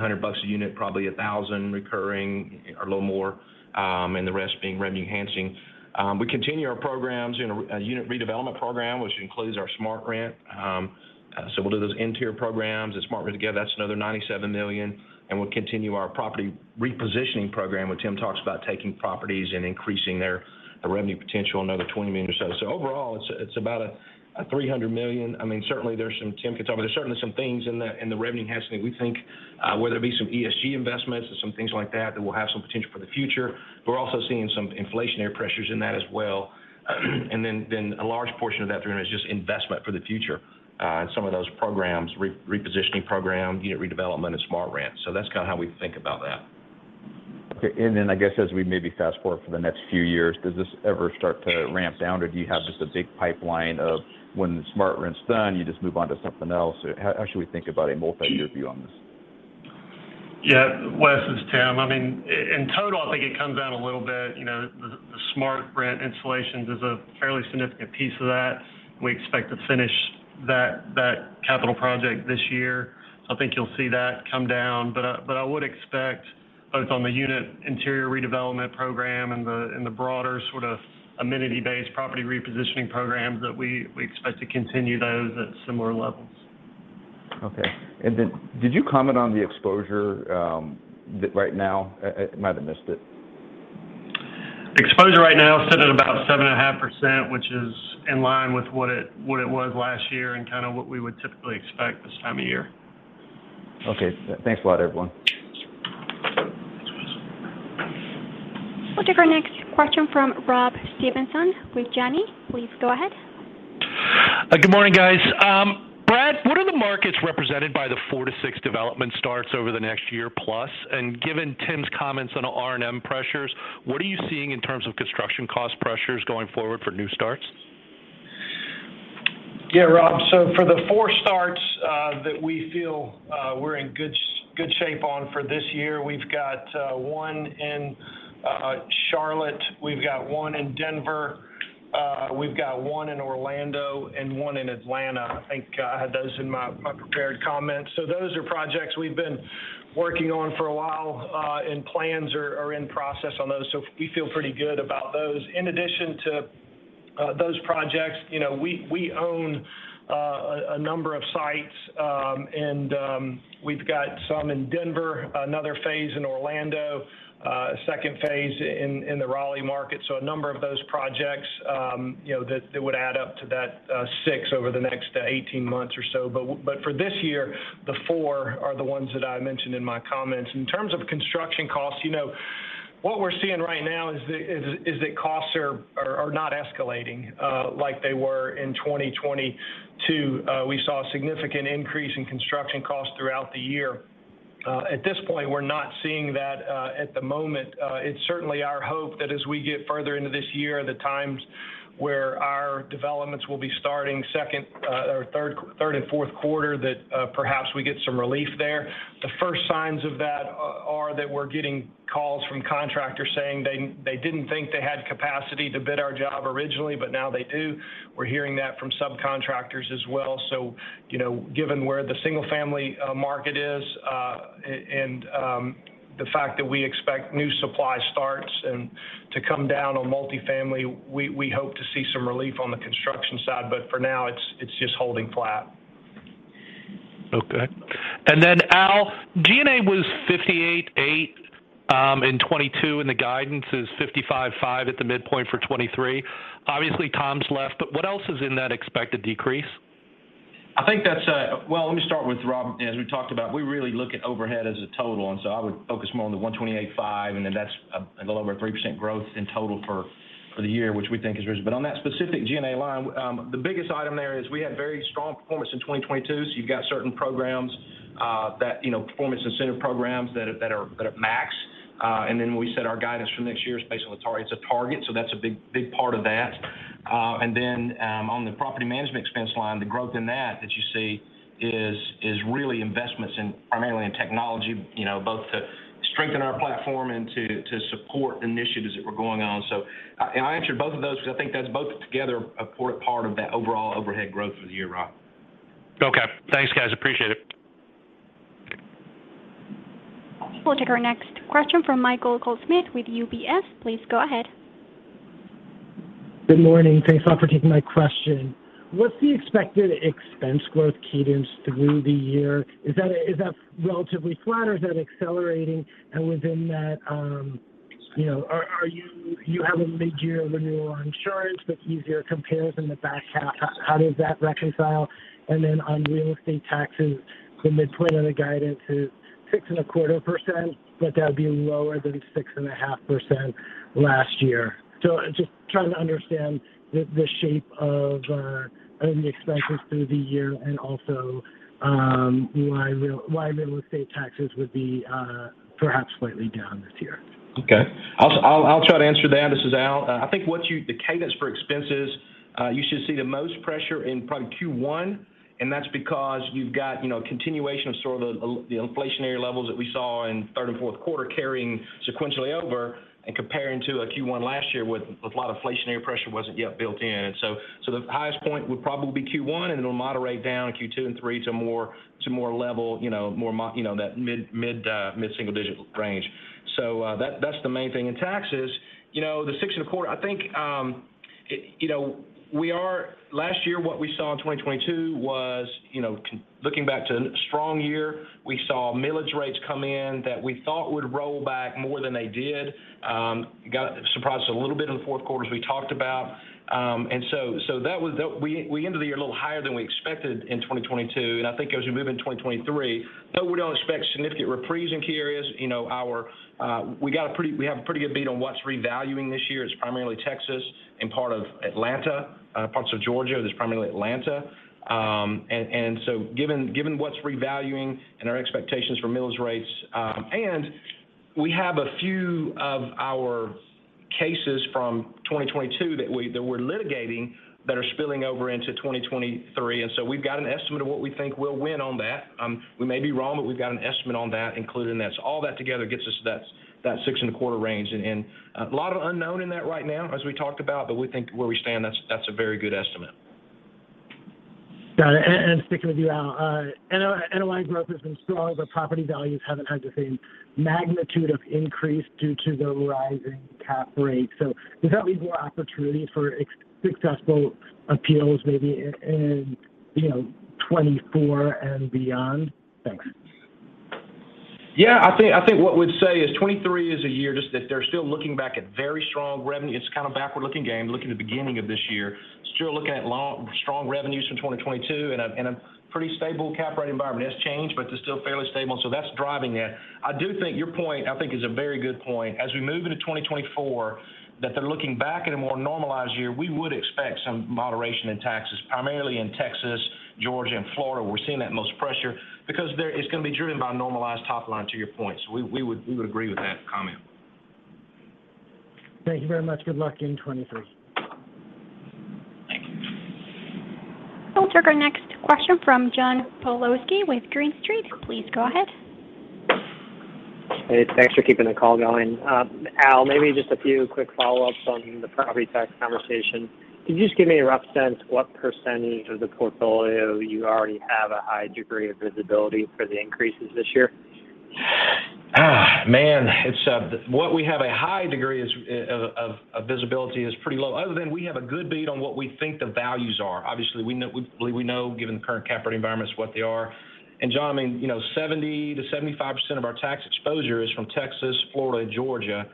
a unit, probably 1,000 recurring, or a little more, and the rest being rent-enhancing. We continue our programs in a unit redevelopment program, which includes our SmartRent. We'll do those interior programs and SmartRent together. That's another $97 million. We'll continue our property repositioning program, which Tim talks about taking properties and increasing their revenue potential, another $20 million or so. Overall, it's about $300 million. I mean, certainly there's some. Tim can talk about it. There's certainly some things in the revenue enhancing that we think, whether it be some ESG investments or some things like that will have some potential for the future. We're also seeing some inflationary pressures in that as well. A large portion of that 300 is just investment for the future, in some of those programs, repositioning program, unit redevelopment, and SmartRent. That's kinda how we think about that. Okay. Then I guess as we maybe fast-forward for the next few years, does this ever start to ramp down, or do you have just a big pipeline of when the SmartRent's done, you just move on to something else? How should we think about a multi-year view on this? Yeah. Wes, this is Tim. I mean, in total, I think it comes down a little bit. You know, the SmartRent installations is a fairly significant piece of that. We expect to finish that capital project this year. I think you'll see that come down. I would expect Both on the unit interior redevelopment program and the broader sort of amenity-based property repositioning programs that we expect to continue those at similar levels. Okay. Did you comment on the exposure, right now? I might have missed it. Exposure right now sitting at about 7.5%, which is in line with what it, what it was last year and kind of what we would typically expect this time of year. Okay. Thanks a lot, everyone. We'll take our next question from Rob Stevenson with Janney. Please go ahead. Good morning, guys. Brad, what are the markets represented by the four to six development starts over the next year+? Given Tim's comments on R&M pressures, what are you seeing in terms of construction cost pressures going forward for new starts? Yeah, Rob. For the four starts that we feel we're in good shape on for this year, we've got one in Charlotte, we've got one in Denver, we've got one in Orlando, and one in Atlanta. I think I had those in my prepared comments. Those are projects we've been working on for a while, and plans are in process on those. We feel pretty good about those. In addition to those projects, you know, we own a number of sites, and we've got some in Denver, another phase in Orlando, second phase in the Raleigh market. A number of those projects, you know, that would add up to that six over the next to 18 months or so. For this year, the four are the ones that I mentioned in my comments. In terms of construction costs, what we're seeing right now is that costs are not escalating like they were in 2022. We saw a significant increase in construction costs throughout the year. At this point, we're not seeing that at the moment. It's certainly our hope that as we get further into this year, the times where our developments will be starting second or third and fourth quarter, that perhaps we get some relief there. The first signs of that are that we're getting calls from contractors saying they didn't think they had capacity to bid our job originally, but now they do. We're hearing that from subcontractors as well. You know, given where the single-family market is, and the fact that we expect new supply starts and to come down on multifamily, we hope to see some relief on the construction side, but for now it's just holding flat. Okay. Al, G&A was $58.8 million in 2022, and the guidance is $55.5 million at the midpoint for 2023. Obviously, Tom's left, but what else is in that expected decrease? I think that's. Well, let me start with Rob. As we talked about, we really look at overhead as a total. I would focus more on the 128.5, that's a little over 3% growth in total for the year, which we think is reasonable. On that specific G&A line, the biggest item there is we had very strong performance in 2022. You've got certain programs, you know, performance incentive programs that are max. We set our guidance for next year is based on the target. It's a target, that's a big part of that. On the property management expense line, the growth in that you see is really investments in primarily in technology, you know, both to strengthen our platform and to support initiatives that were going on. I answered both of those because I think that's both together a poor part of that overall overhead growth for the year, Rob. Thanks, guys. Appreciate it. We'll take our next question from Michael Goldsmith with UBS. Please go ahead. Good morning. Thanks a lot for taking my question. What's the expected expense growth cadence through the year? Is that relatively flat or is that accelerating? Within that, you know, you have a mid-year renewal on insurance that's easier compares in the back half. How does that reconcile? On real estate taxes, the midpoint of the guidance is 6.25%, but that would be lower than 6.5% last year. Just trying to understand the shape of earning expenses through the year and also why real estate taxes would be perhaps slightly down this year. Okay. I'll try to answer that. This is Al. I think what the cadence for expenses, you should see the most pressure in probably Q1, and that's because you've got, you know, a continuation of sort of the inflationary levels that we saw in third and fourth quarter carrying sequentially over and comparing to a Q1 last year with a lot of inflationary pressure wasn't yet built in. The highest point would probably be Q1, and it'll moderate down Q2 and three to more level, you know, that mid-single digit range. That's the main thing. In taxes, you know, the six and a quarter, I think, it, you know, we are. Last year, what we saw in 2022 was, you know, looking back to strong year, we saw millage rates come in that we thought would roll back more than they did, got surprised a little bit in the fourth quarter as we talked about, that we ended the year a little higher than we expected in 2022. I think as we move into 2023, no, we don't expect significant repricing key areas. You know, our, we have a pretty good beat on what's revaluing this year. It's primarily Texas and part of Atlanta, parts of Georgia, that's primarily Atlanta. Given, given what's revaluing and our expectations for millage rates, and we have a few of our cases from 2022 that we're litigating that are spilling over into 2023. We've got an estimate of what we think we'll win on that. We may be wrong, but we've got an estimate on that included in that. All that together gets us that six and a quarter range. A lot of unknown in that right now as we talked about, but we think where we stand, that's a very good estimate. Got it. Sticking with you, Al, NOI growth has been strong, but property values haven't had the same magnitude of increase due to the rising cap rate. Does that leave more opportunity for successful appeals maybe in, you know, 2024 and beyond? Thanks. I think what we'd say is 2023 is a year just that they're still looking back at very strong revenue. It's kind of backward-looking game, looking at the beginning of this year. Still looking at long, strong revenues from 2022 and a pretty stable cap rate environment. It's changed, but they're still fairly stable, so that's driving that. I do think your point, I think is a very good point. As we move into 2024, that they're looking back at a more normalized year. We would expect some moderation in taxes, primarily in Texas, Georgia and Florida. We're seeing that most pressure because it's gonna be driven by normalized top line, to your point. We would agree with that comment. Thank you very much. Good luck in 2023. Thank you. We'll take our next question from John Pawlowski with Green Street. Please go ahead. Hey, thanks for keeping the call going. Al, maybe just a few quick follow-ups on the property tax conversation. Could you just give me a rough sense what % of the portfolio you already have a high degree of visibility for the increases this year? Man, it's, what we have a high degree is, of visibility is pretty low. Other than we have a good beat on what we think the values are. Obviously, we know given the current cap rate environments what they are. John, I mean, you know, 70%-75% of our tax exposure is from Texas, Florida, and Georgia.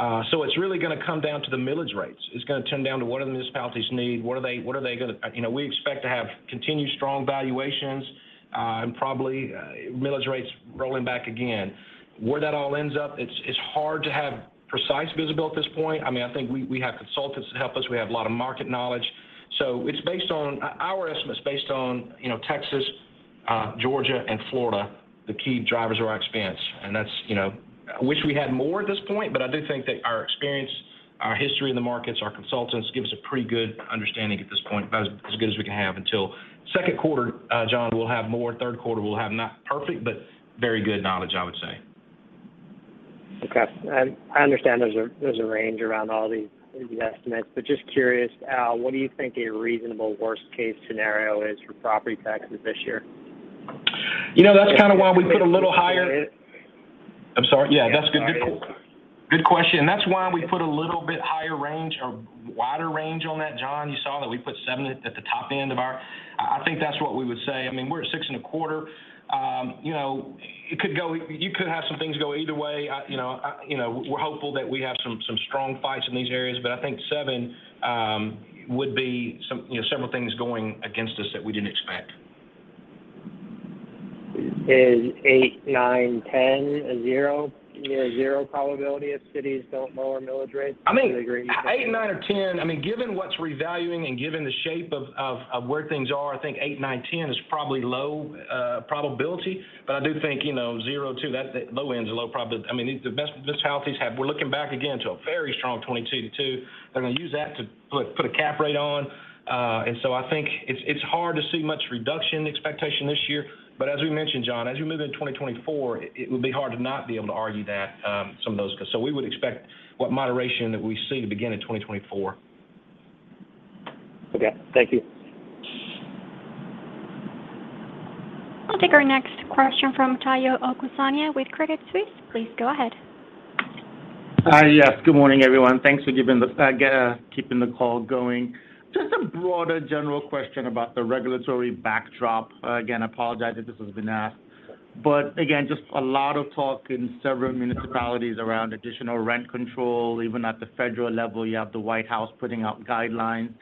It's really gonna come down to the millage rates. It's gonna come down to what do the municipalities need, what are they gonna... You know, we expect to have continued strong valuations, and probably, millage rates rolling back again. Where that all ends up, it's hard to have precise visibility at this point. I mean, I think we have consultants that help us. We have a lot of market knowledge. It's based on... Our estimate's based on, you know, Texas, Georgia, and Florida, the key drivers of our experience. That's, you know. I wish we had more at this point, but I do think that our experience, our history in the markets, our consultants give us a pretty good understanding at this point, about as good as we can have until second quarter, John, we'll have more. Third quarter, we'll have, not perfect, but very good knowledge, I would say. Okay. I understand there's a range around all these estimates, but just curious, Al, what do you think a reasonable worst case scenario is for property taxes this year? You know, that's kind of why we put a little higher. I'm sorry? Yeah, that's a good que-. Sorry. Good question. That's why we put a little bit higher range or wider range on that, John. You saw that we put seven at the top end of our... I think that's what we would say. I mean, we're at six and a quarter. You know, you could have some things go either way. I, you know, you know, we're hopeful that we have some strong fights in these areas, but I think seven would be some, you know, several things going against us that we didn't expect. Is eight, nine, 10 a zero, you know, zero probability if cities don't lower millage rates? I mean- Do you agree with Eight or 10, I mean, given what's revaluing and given the shape of where things are, I think eight, nine, 10 is probably low probability. I do think, you know, 0 too, that, the low end's a low probab-- I mean, the best municipalities have. We're looking back again to a very strong 2022. They're gonna use that to put a cap rate on. I think it's hard to see much reduction expectation this year. as we mentioned, John, as you move into 2024, it would be hard to not be able to argue that some of those. We would expect what moderation that we see to begin in 2024. Okay. Thank you. I'll take our next question from Tayo Okusanya with Credit Suisse. Please go ahead. Yes. Good morning, everyone. Thanks for keeping the call going. Just a broader general question about the regulatory backdrop. Again, apologize if this has been asked. Again, just a lot of talk in several municipalities around additional rent control. Even at the federal level, you have the White House putting out guidelines.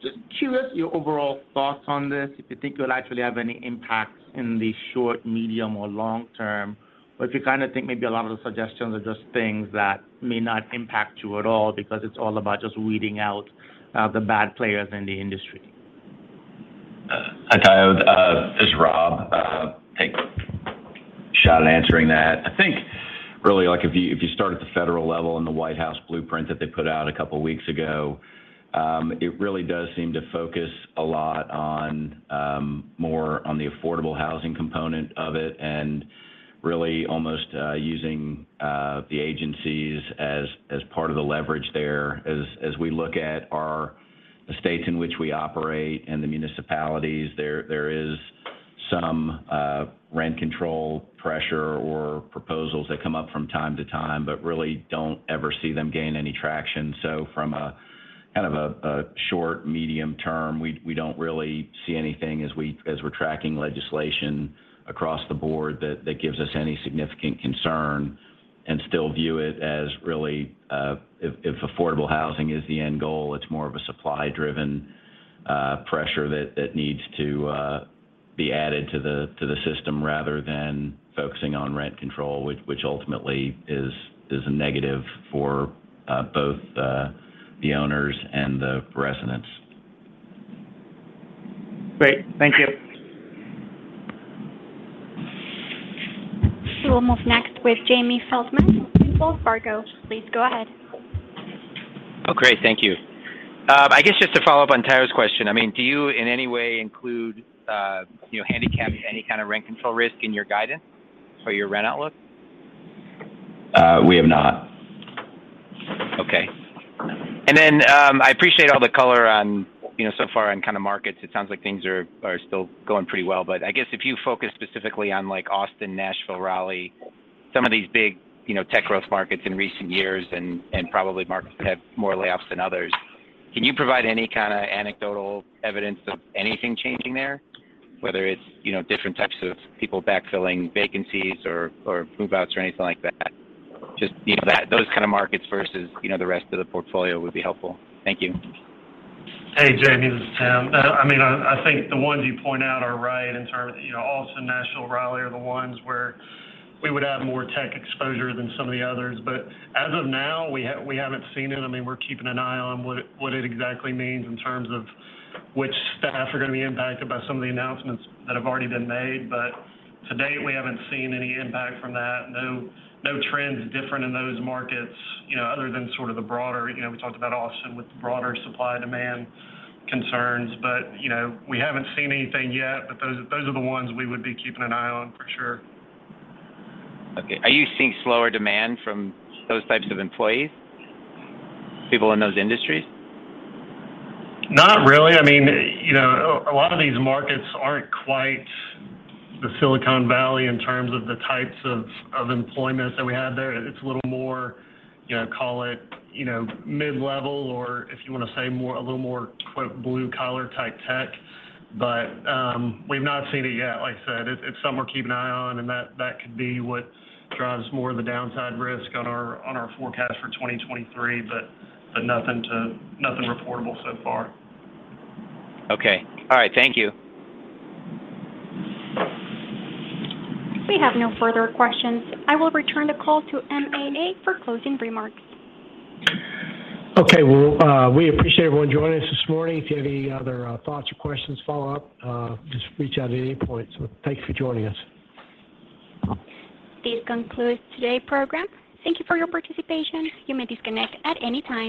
Just curious your overall thoughts on this, if you think it'll actually have any impacts in the short, medium, or long term. If you kind of think maybe a lot of the suggestions are just things that may not impact you at all because it's all about just weeding out the bad players in the industry. Tayo, this is Rob. Take a shot at answering that. I think really, like, if you start at the federal level and the White House blueprint that they put out a couple weeks ago, it really does seem to focus a lot on, more on the affordable housing component of it, and really almost, using the agencies as part of the leverage there. As we look at our, the states in which we operate and the municipalities, there is some rent control pressure or proposals that come up from time to time, but really don't ever see them gain any traction. From a kind of a short, medium term, we don't really see anything as we're tracking legislation across the board that gives us any significant concern and still view it as really if affordable housing is the end goal, it's more of a supply-driven pressure that needs to be added to the system, rather than focusing on rent control, which ultimately is a negative for both the owners and the residents. Great. Thank you. We will move next with Jamie Feldman from Wells Fargo. Please go ahead. Great. Thank you. I guess just to follow up on Tayo's question. I mean, do you in any way include, you know, handicapping any kind of rent control risk in your guidance for your rent outlook? We have not I appreciate all the color on, you know, so far on kind of markets. It sounds like things are still going pretty well. I guess if you focus specifically on, like, Austin, Nashville, Raleigh, some of these big, you know, tech growth markets in recent years and probably markets that have more layoffs than others, can you provide any kind of anecdotal evidence of anything changing there, whether it's, you know, different types of people backfilling vacancies or move-outs or anything like that? Just, you know, those kind of markets versus, you know, the rest of the portfolio would be helpful. Thank you. Hey, Jamie, this is Tim. I mean, I think the ones you point out are right in terms of, you know, Austin, Nashville, Raleigh are the ones where we would have more tech exposure than some of the others. As of now, we haven't seen it. I mean, we're keeping an eye on what it exactly means in terms of which staff are gonna be impacted by some of the announcements that have already been made. To date, we haven't seen any impact from that. No trends different in those markets, you know, other than sort of the broader. You know, we talked about Austin with the broader supply-demand concerns. You know, we haven't seen anything yet, but those are the ones we would be keeping an eye on for sure. Okay. Are you seeing slower demand from those types of employees, people in those industries? Not really. I mean, you know, a lot of these markets aren't quite the Silicon Valley in terms of the types of employment that we have there. It's a little more, you know, call it, you know, mid-level or if you wanna say more, a little more quote blue collar type tech. We've not seen it yet. Like I said, it's something we're keeping an eye on, and that could be what drives more of the downside risk on our, on our forecast for 2023, nothing reportable so far. Okay. All right. Thank you. We have no further questions. I will return the call to MAA for closing remarks. Okay. Well, we appreciate everyone joining us this morning. If you have any other thoughts or questions follow-up, just reach out at any point. Thank you for joining us. This concludes today's program. Thank you for your participation. You may disconnect at any time.